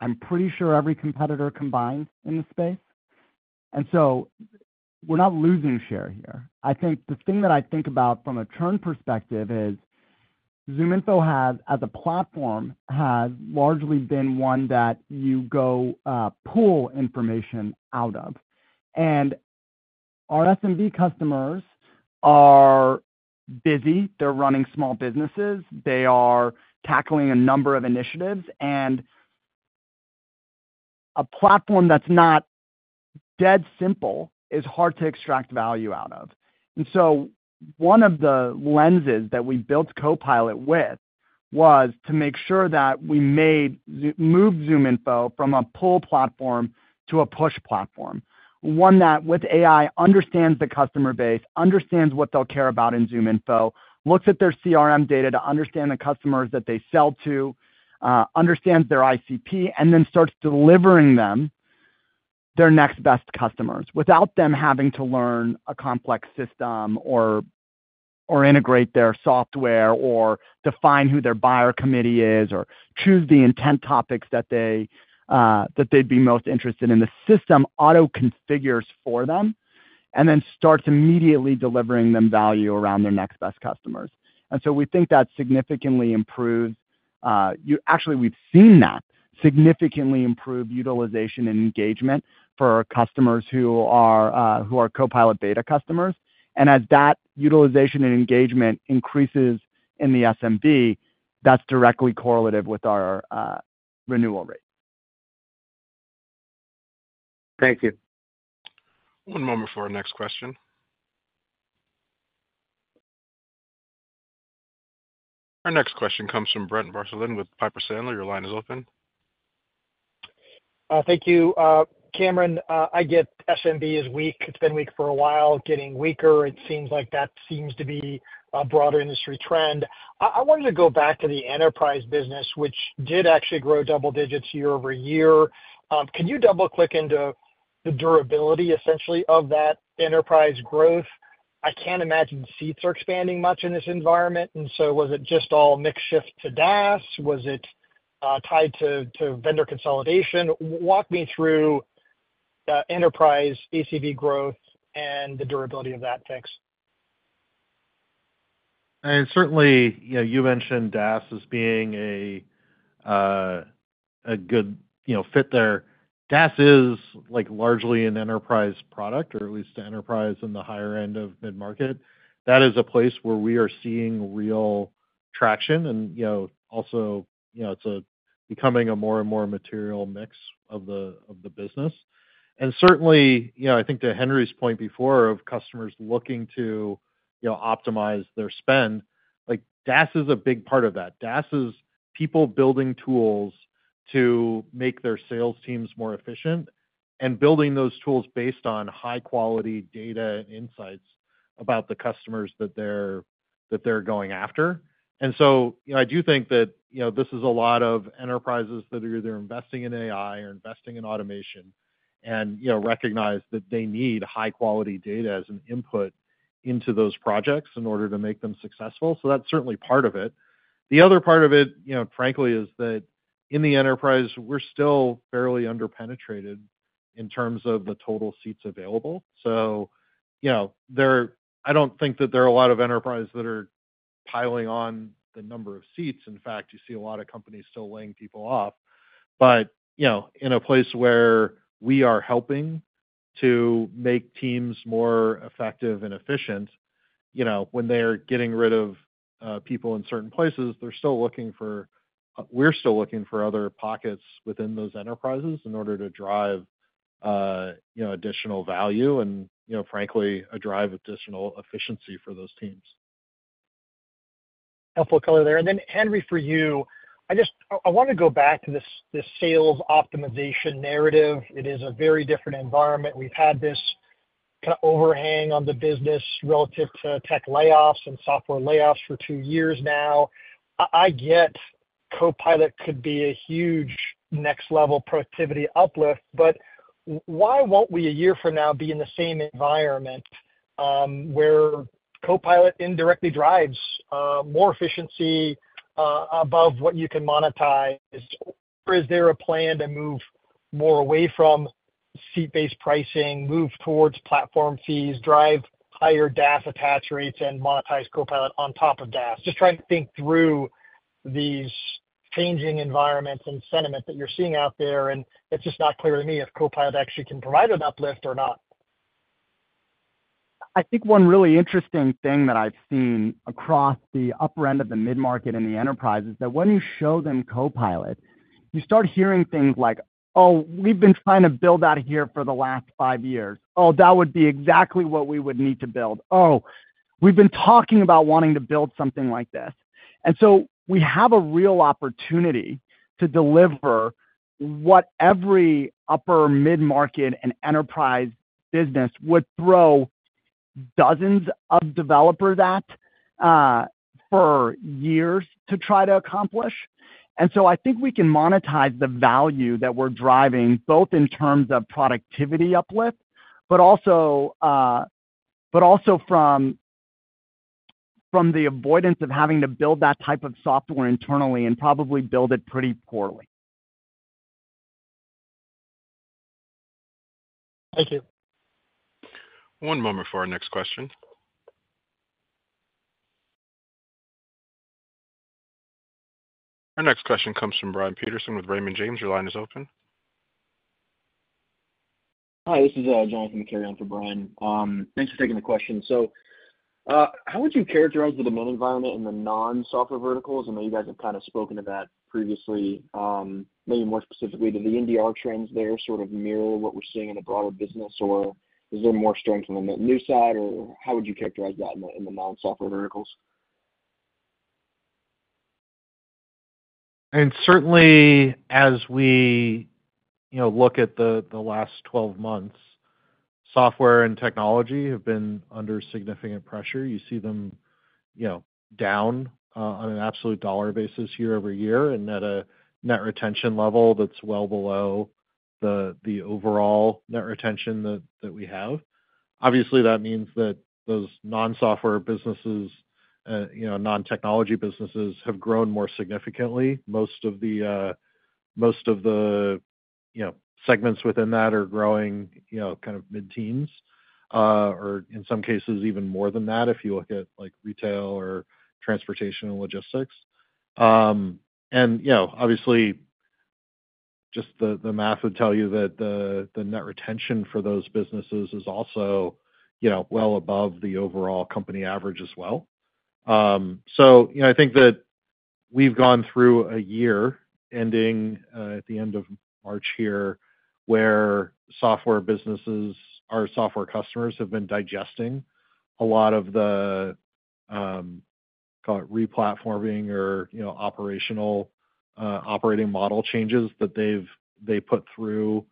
I'm pretty sure every competitor combined in this space, and so we're not losing share here. I think the thing that I think about from a churn perspective is, ZoomInfo has, as a platform, has largely been one that you go, pull information out of. And our SMB customers are busy. They're running small businesses. They are tackling a number of initiatives, and a platform that's not dead simple is hard to extract value out of. And so one of the lenses that we built Copilot with, was to make sure that we made Zoom-- moved ZoomInfo from a pull platform to a push platform. One that, with AI, understands the customer base, understands what they'll care about in ZoomInfo, looks at their CRM data to understand the customers that they sell to, understands their ICP, and then starts delivering them their next best customers, without them having to learn a complex system or integrate their software, or define who their buyer committee is, or choose the intent topics that they, that they'd be most interested in. The system auto-configures for them, and then starts immediately delivering them value around their next best customers. And so we think that significantly improves, actually, we've seen that significantly improve utilization and engagement for our customers who are, who are Copilot beta customers. And as that utilization and engagement increases in the SMB, that's directly correlative with our renewal rate. Thank you. One moment for our next question. Our next question comes from Brent Bracelin with Piper Sandler. Your line is open. Thank you. Cameron, I get SMB is weak. It's been weak for a while, getting weaker. It seems like that seems to be a broader industry trend. I wanted to go back to the enterprise business, which did actually grow double digits year-over-year. Can you double-click into the durability, essentially, of that enterprise growth? I can't imagine seats are expanding much in this environment, and so was it just all mix shift to DaaS? Was it tied to vendor consolidation? Walk me through enterprise ACV growth and the durability of that, thanks. And certainly, you know, you mentioned DaaS as being a, a good, you know, fit there. DaaS is, like, largely an enterprise product, or at least an enterprise in the higher end of mid-market. That is a place where we are seeing real traction and, you know, also, you know, it's becoming a more and more material mix of the business. And certainly, you know, I think to Henry's point before of customers looking to, you know, optimize their spend, like, DaaS is a big part of that. DaaS is people building tools to make their sales teams more efficient, and building those tools based on high-quality data and insights about the customers that they're going after. And so, you know, I do think that, you know, this is a lot of enterprises that are either investing in AI or investing in automation, and, you know, recognize that they need high-quality data as an input into those projects in order to make them successful. So that's certainly part of it. The other part of it, you know, frankly, is that in the enterprise, we're still fairly under-penetrated in terms of the total seats available. So, you know, I don't think that there are a lot of enterprises that are-... piling on the number of seats. In fact, you see a lot of companies still laying people off. But, you know, in a place where we are helping to make teams more effective and efficient, you know, when they're getting rid of people in certain places, they're still looking for, we're still looking for other pockets within those enterprises in order to drive, you know, additional value and, you know, frankly, drive additional efficiency for those teams. Helpful color there. Then Henry, for you, I just wanna go back to this sales optimization narrative. It is a very different environment. We've had this kind of overhang on the business relative to tech layoffs and software layoffs for two years now. I get Copilot could be a huge next level productivity uplift, but why won't we, a year from now, be in the same environment, where Copilot indirectly drives more efficiency above what you can monetize? Or is there a plan to move more away from seat-based pricing, move towards platform fees, drive higher DaaS attach rates, and monetize Copilot on top of DaaS? Just trying to think through these changing environments and sentiment that you're seeing out there, and it's just not clear to me if Copilot actually can provide an uplift or not. I think one really interesting thing that I've seen across the upper end of the mid-market and the enterprise is that when you show them Copilot, you start hearing things like, "Oh, we've been trying to build that here for the last five years." "Oh, that would be exactly what we would need to build." "Oh, we've been talking about wanting to build something like this." And so we have a real opportunity to deliver what every upper mid-market and enterprise business would throw dozens of developers at, for years to try to accomplish. And so I think we can monetize the value that we're driving, both in terms of productivity uplift, but also, but also from, from the avoidance of having to build that type of software internally, and probably build it pretty poorly. Thank you. One moment for our next question. Our next question comes from Brian Peterson with Raymond James. Your line is open. Hi, this is Johnathan McCary on for Brian. Thanks for taking the question. So, how would you characterize the demand environment in the non-software verticals? I know you guys have kind of spoken to that previously. Maybe more specifically, do the NDR trends there sort of mirror what we're seeing in the broader business, or is there more strength on the new side, or how would you characterize that in the non-software verticals? Certainly, as we, you know, look at the last 12 months, software and technology have been under significant pressure. You see them, you know, down on an absolute dollar basis year-over-year, and at a net retention level that's well below the overall net retention that we have. Obviously, that means that those non-software businesses, you know, non-technology businesses, have grown more significantly. Most of the segments within that are growing, you know, kind of mid-teens or in some cases, even more than that, if you look at, like, retail or transportation and logistics. And, you know, obviously, just the math would tell you that the net retention for those businesses is also, you know, well above the overall company average as well. So, you know, I think that we've gone through a year, ending at the end of March here, where software businesses, our software customers, have been digesting a lot of the, call it replatforming or, you know, operational, operating model changes that they put through,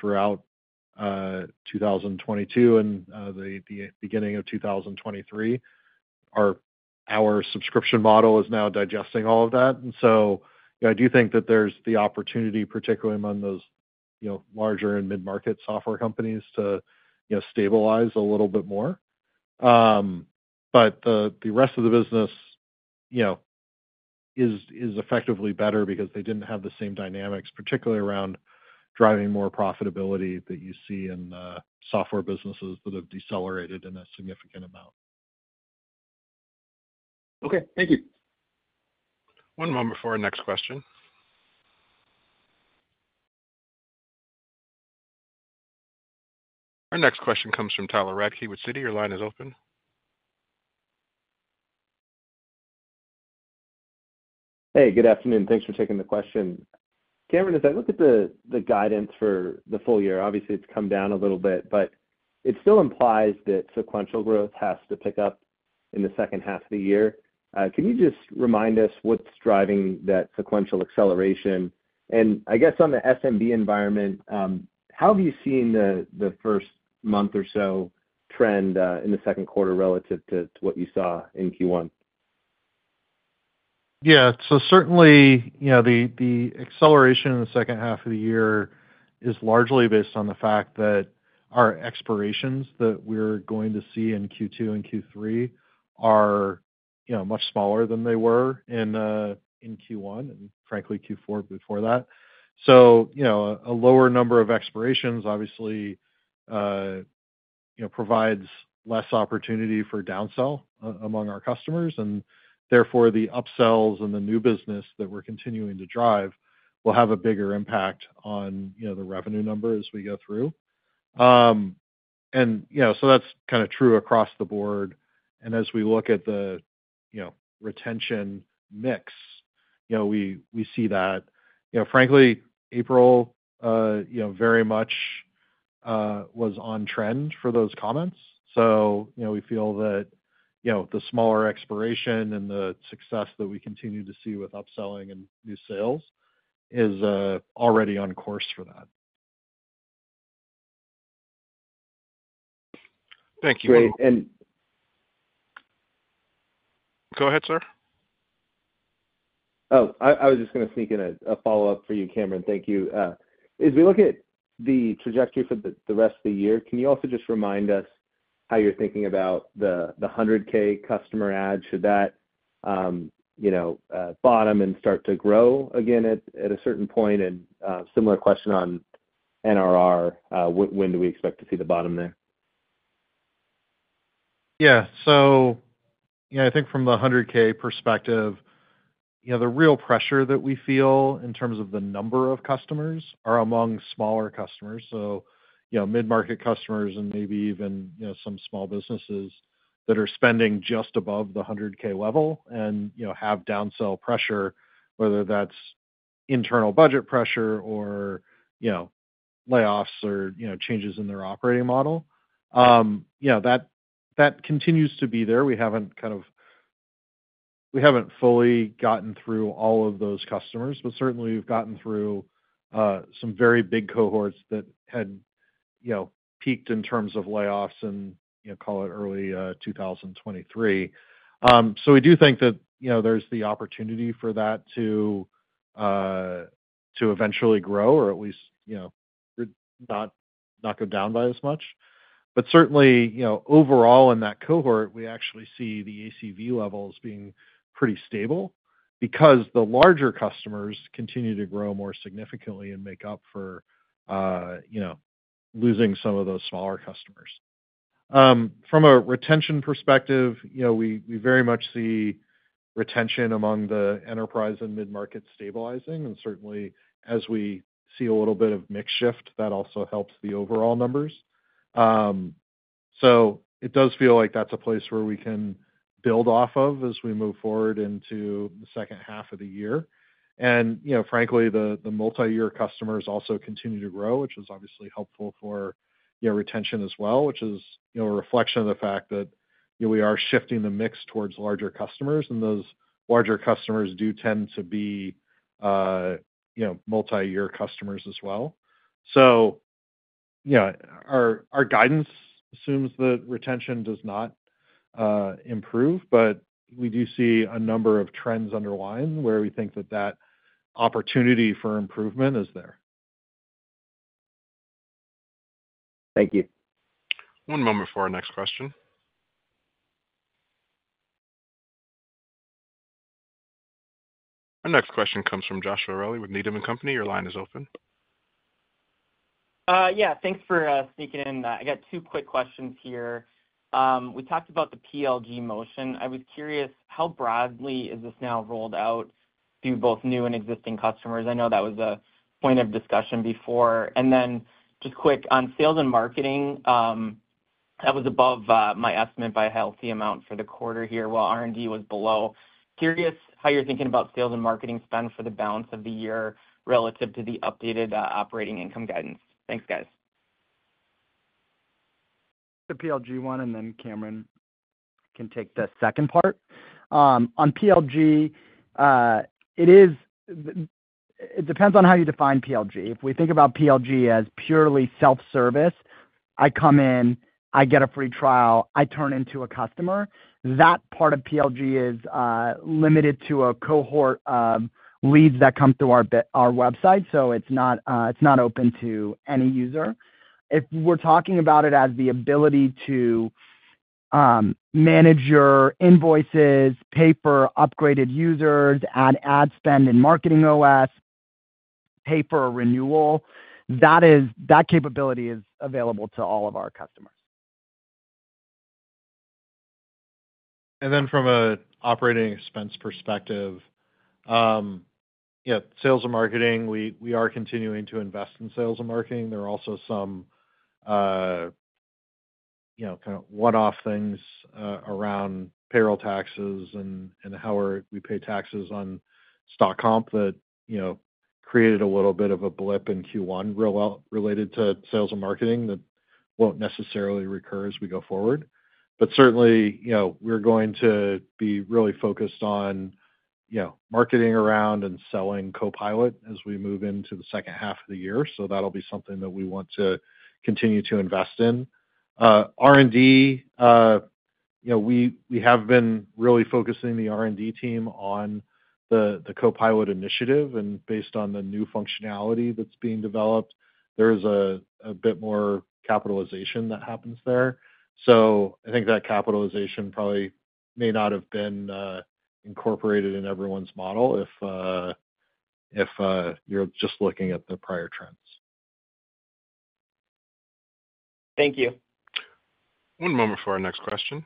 throughout 2022 and, the beginning of 2023. Our subscription model is now digesting all of that. So I do think that there's the opportunity, particularly among those, you know, larger and mid-market software companies, to, you know, stabilize a little bit more. But the rest of the business, you know, is effectively better because they didn't have the same dynamics, particularly around driving more profitability that you see in the software businesses that have decelerated in a significant amount. Okay, thank you. One moment before our next question. Our next question comes from Tyler Radke with Citi. Your line is open. Hey, good afternoon. Thanks for taking the question. Cameron, as I look at the guidance for the full year, obviously, it's come down a little bit, but it still implies that sequential growth has to pick up in the second half of the year. Can you just remind us what's driving that sequential acceleration? And I guess on the SMB environment, how have you seen the first month or so trend in the second quarter relative to what you saw in Q1? Yeah. So certainly, you know, the acceleration in the second half of the year is largely based on the fact that our expirations that we're going to see in Q2 and Q3 are, you know, much smaller than they were in Q1, and frankly, Q4 before that. So, you know, a lower number of expirations, obviously, you know, provides less opportunity for downsell among our customers, and therefore, the upsells and the new business that we're continuing to drive will have a bigger impact on, you know, the revenue number as we go through. And, you know, so that's kind of true across the board. And as we look at the, you know, retention mix, you know, we see that. You know, frankly, April, you know, very much was on trend for those comments. So, you know, we feel that, you know, the smaller expiration and the success that we continue to see with upselling and new sales is already on course for that. Thank you. Great, and- Go ahead, sir. Oh, I was just gonna sneak in a follow-up for you, Cameron. Thank you. As we look at the trajectory for the rest of the year, can you also just remind us how you're thinking about the 100,000 customer add? Should that, you know, bottom and start to grow again at a certain point? And, similar question on NRR, when do we expect to see the bottom there? Yeah. So, you know, I think from the $100,000 perspective, you know, the real pressure that we feel in terms of the number of customers are among smaller customers. So, you know, mid-market customers and maybe even, you know, some small businesses that are spending just above the $100,000 level and, you know, have downsell pressure, whether that's internal budget pressure or, you know, layoffs or, you know, changes in their operating model. Yeah, that continues to be there. We haven't fully gotten through all of those customers, but certainly we've gotten through some very big cohorts that had, you know, peaked in terms of layoffs and, you know, call it early 2023. So we do think that, you know, there's the opportunity for that to eventually grow, or at least, you know, not, not go down by as much. But certainly, you know, overall, in that cohort, we actually see the ACV levels being pretty stable because the larger customers continue to grow more significantly and make up for, you know, losing some of those smaller customers. From a retention perspective, you know, we very much see retention among the enterprise and mid-market stabilizing, and certainly, as we see a little bit of mix shift, that also helps the overall numbers. So it does feel like that's a place where we can build off of as we move forward into the second half of the year. You know, frankly, the multiyear customers also continue to grow, which is obviously helpful for, you know, retention as well, which is, you know, a reflection of the fact that, you know, we are shifting the mix towards larger customers, and those larger customers do tend to be, you know, multiyear customers as well. So, you know, our guidance assumes that retention does not improve, but we do see a number of trends underlying, where we think that that opportunity for improvement is there. Thank you. One moment for our next question. Our next question comes from Joshua Reilly with Needham & Company. Your line is open. Yeah, thanks for sneaking in. I got two quick questions here. We talked about the PLG motion. I was curious, how broadly is this now rolled out to both new and existing customers? I know that was a point of discussion before. And then just quick, on sales and marketing, that was above my estimate by a healthy amount for the quarter here, while R&D was below. Curious how you're thinking about sales and marketing spend for the balance of the year relative to the updated operating income guidance? Thanks, guys. The PLG one, and then Cameron can take the second part. On PLG, it depends on how you define PLG. If we think about PLG as purely self-service, I come in, I get a free trial, I turn into a customer, that part of PLG is limited to a cohort of leads that come through our website, so it's not open to any user. If we're talking about it as the ability to manage your invoices, pay for upgraded users, add ad spend and MarketingOS, pay for a renewal, that capability is available to all of our customers. And then from an operating expense perspective, yeah, sales and marketing, we are continuing to invest in sales and marketing. There are also some, you know, kind of one-off things around payroll taxes and how we pay taxes on stock comp that, you know, created a little bit of a blip in Q1 related to sales and marketing that won't necessarily recur as we go forward. But certainly, you know, we're going to be really focused on, you know, marketing around and selling Copilot as we move into the second half of the year. So that'll be something that we want to continue to invest in. R&D, you know, we have been really focusing the R&D team on the Copilot initiative, and based on the new functionality that's being developed, there is a bit more capitalization that happens there. So I think that capitalization probably may not have been incorporated in everyone's model if-... if, you're just looking at the prior trends. Thank you. One moment for our next question.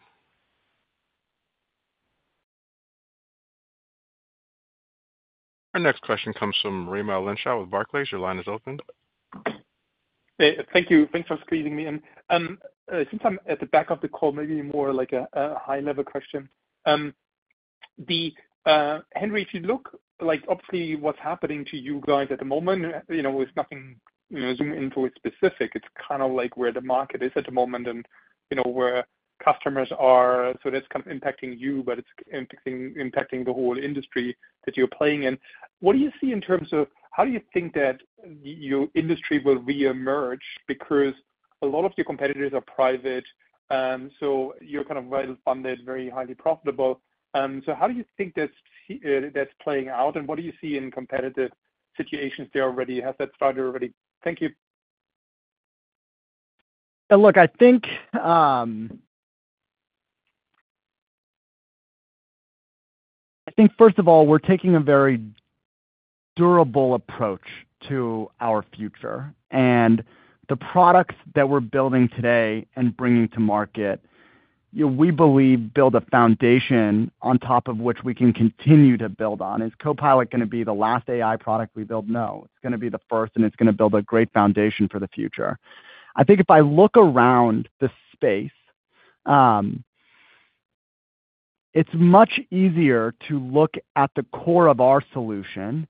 Our next question comes from Raimo Lenschow with Barclays. Your line is open. Hey, thank you. Thanks for squeezing me in. Since I'm at the back of the call, maybe more like a high-level question. Henry, if you look, like, obviously, what's happening to you guys at the moment, you know, is nothing, you know, ZoomInfo specific. It's kind of like where the market is at the moment and, you know, where customers are, so that's kind of impacting you, but it's impacting the whole industry that you're playing in. What do you see in terms of how do you think that your industry will reemerge? Because a lot of your competitors are private, so you're kind of well-funded, very highly profitable. So how do you think that's playing out, and what do you see in competitive situations there already? Has that started already? Thank you. Look, I think, I think first of all, we're taking a very durable approach to our future. The products that we're building today and bringing to market, you know, we believe build a foundation on top of which we can continue to build on. Is Copilot gonna be the last AI product we build? No, it's gonna be the first, and it's gonna build a great foundation for the future. I think if I look around the space, it's much easier to look at the core of our solution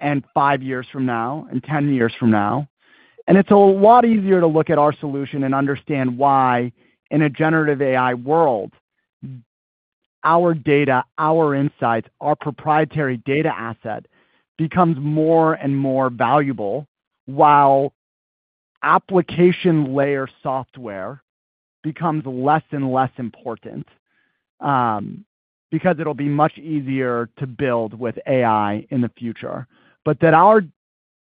and understand why it's important to every go-to-market team today and five years from now and 10 years from now. It's a lot easier to look at our solution and understand why, in a generative AI world, our data, our insights, our proprietary data asset, becomes more and more valuable, while application layer software becomes less and less important, because it'll be much easier to build with AI in the future. But that our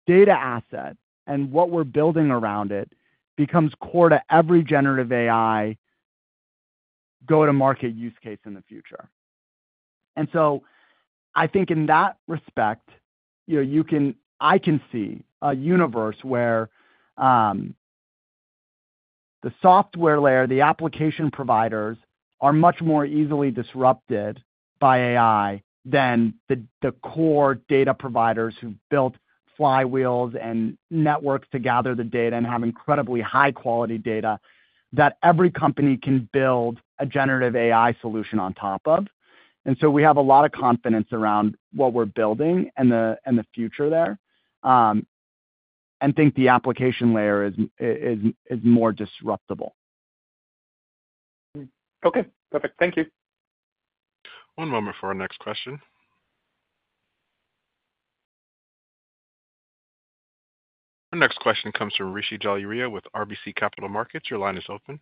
data asset and what we're building around it becomes core to every generative AI go-to-market use case in the future. And so I think in that respect, you know, I can see a universe where, the software layer, the application providers, are much more easily disrupted by AI than the core data providers who've built flywheels and networks to gather the data and have incredibly high-quality data that every company can build a generative AI solution on top of. And so we have a lot of confidence around what we're building and the future there, and think the application layer is more disruptable. Okay, perfect. Thank you. One moment for our next question. Our next question comes from Rishi Jaluria with RBC Capital Markets. Your line is open.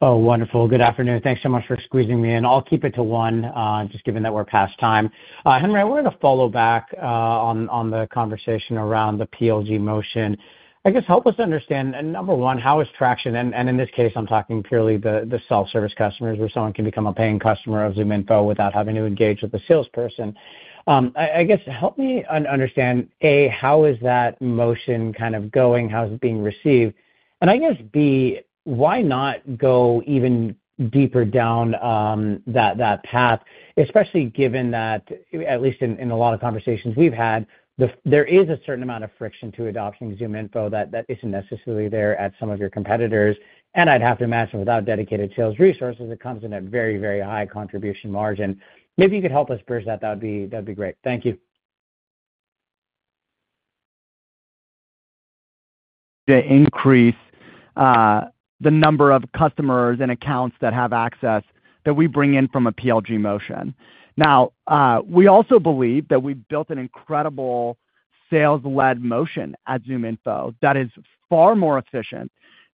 Oh, wonderful. Good afternoon. Thanks so much for squeezing me in. I'll keep it to one, just given that we're past time. Henry, I wanted to follow back on the conversation around the PLG motion. I guess help us understand, number one, how is traction? And in this case, I'm talking purely the self-service customers, where someone can become a paying customer of ZoomInfo without having to engage with a salesperson. I guess, help me understand, A, how is that motion kind of going? How is it being received? And I guess, B, why not go even deeper down that path, especially given that, at least in a lot of conversations we've had, there is a certain amount of friction to adopting ZoomInfo that isn't necessarily there at some of your competitors. I'd have to imagine without dedicated sales resources, it comes in a very, very high contribution margin. Maybe you could help us bridge that. That'd be, that'd be great. Thank you. To increase the number of customers and accounts that have access that we bring in from a PLG motion. Now, we also believe that we've built an incredible sales-led motion at ZoomInfo that is far more efficient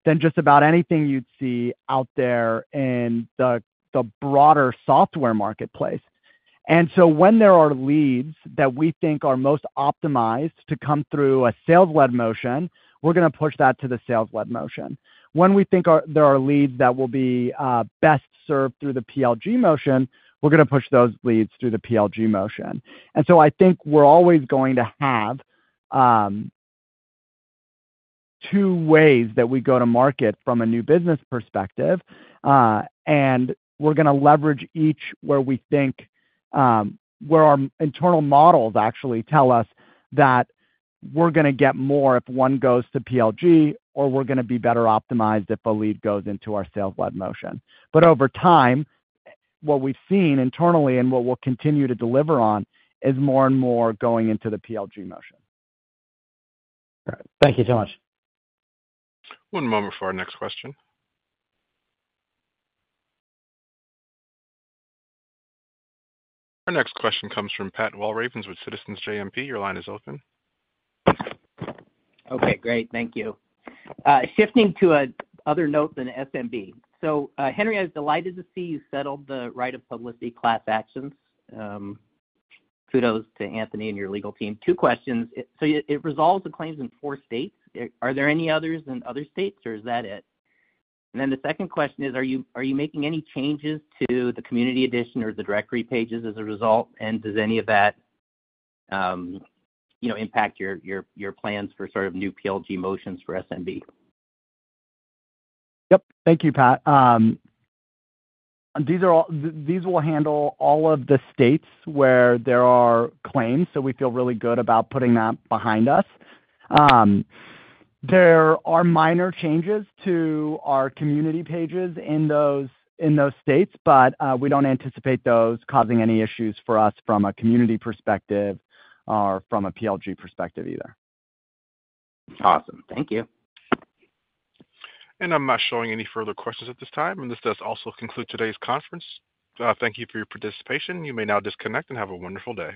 than just about anything you'd see out there in the broader software marketplace. And so when there are leads that we think are most optimized to come through a sales-led motion, we're gonna push that to the sales-led motion. When we think there are leads that will be best served through the PLG motion, we're gonna push those leads through the PLG motion. And so I think we're always going to have two ways that we go to market from a new business perspective, and we're gonna leverage each where we think, where our internal models actually tell us that we're gonna get more if one goes to PLG, or we're gonna be better optimized if a lead goes into our sales-led motion. But over time, what we've seen internally and what we'll continue to deliver on is more and more going into the PLG motion. All right. Thank you so much. One moment for our next question. Our next question comes from Pat Walravens with Citizens JMP. Your line is open. Okay, great. Thank you. Shifting to another note other than SMB. So, Henry, I was delighted to see you settled the right of publicity class actions. Kudos to Anthony and your legal team. Two questions. So it resolves the claims in four states. Are there any others in other states, or is that it? And then the second question is, are you making any changes to the Community Edition or the directory pages as a result, and does any of that, you know, impact your plans for sort of new PLG motions for SMB? Yep. Thank you, Pat. These will handle all of the states where there are claims, so we feel really good about putting that behind us. There are minor changes to our community pages in those, in those states, but we don't anticipate those causing any issues for us from a community perspective or from a PLG perspective either. Awesome. Thank you. I'm not showing any further questions at this time, and this does also conclude today's conference. Thank you for your participation. You may now disconnect and have a wonderful day.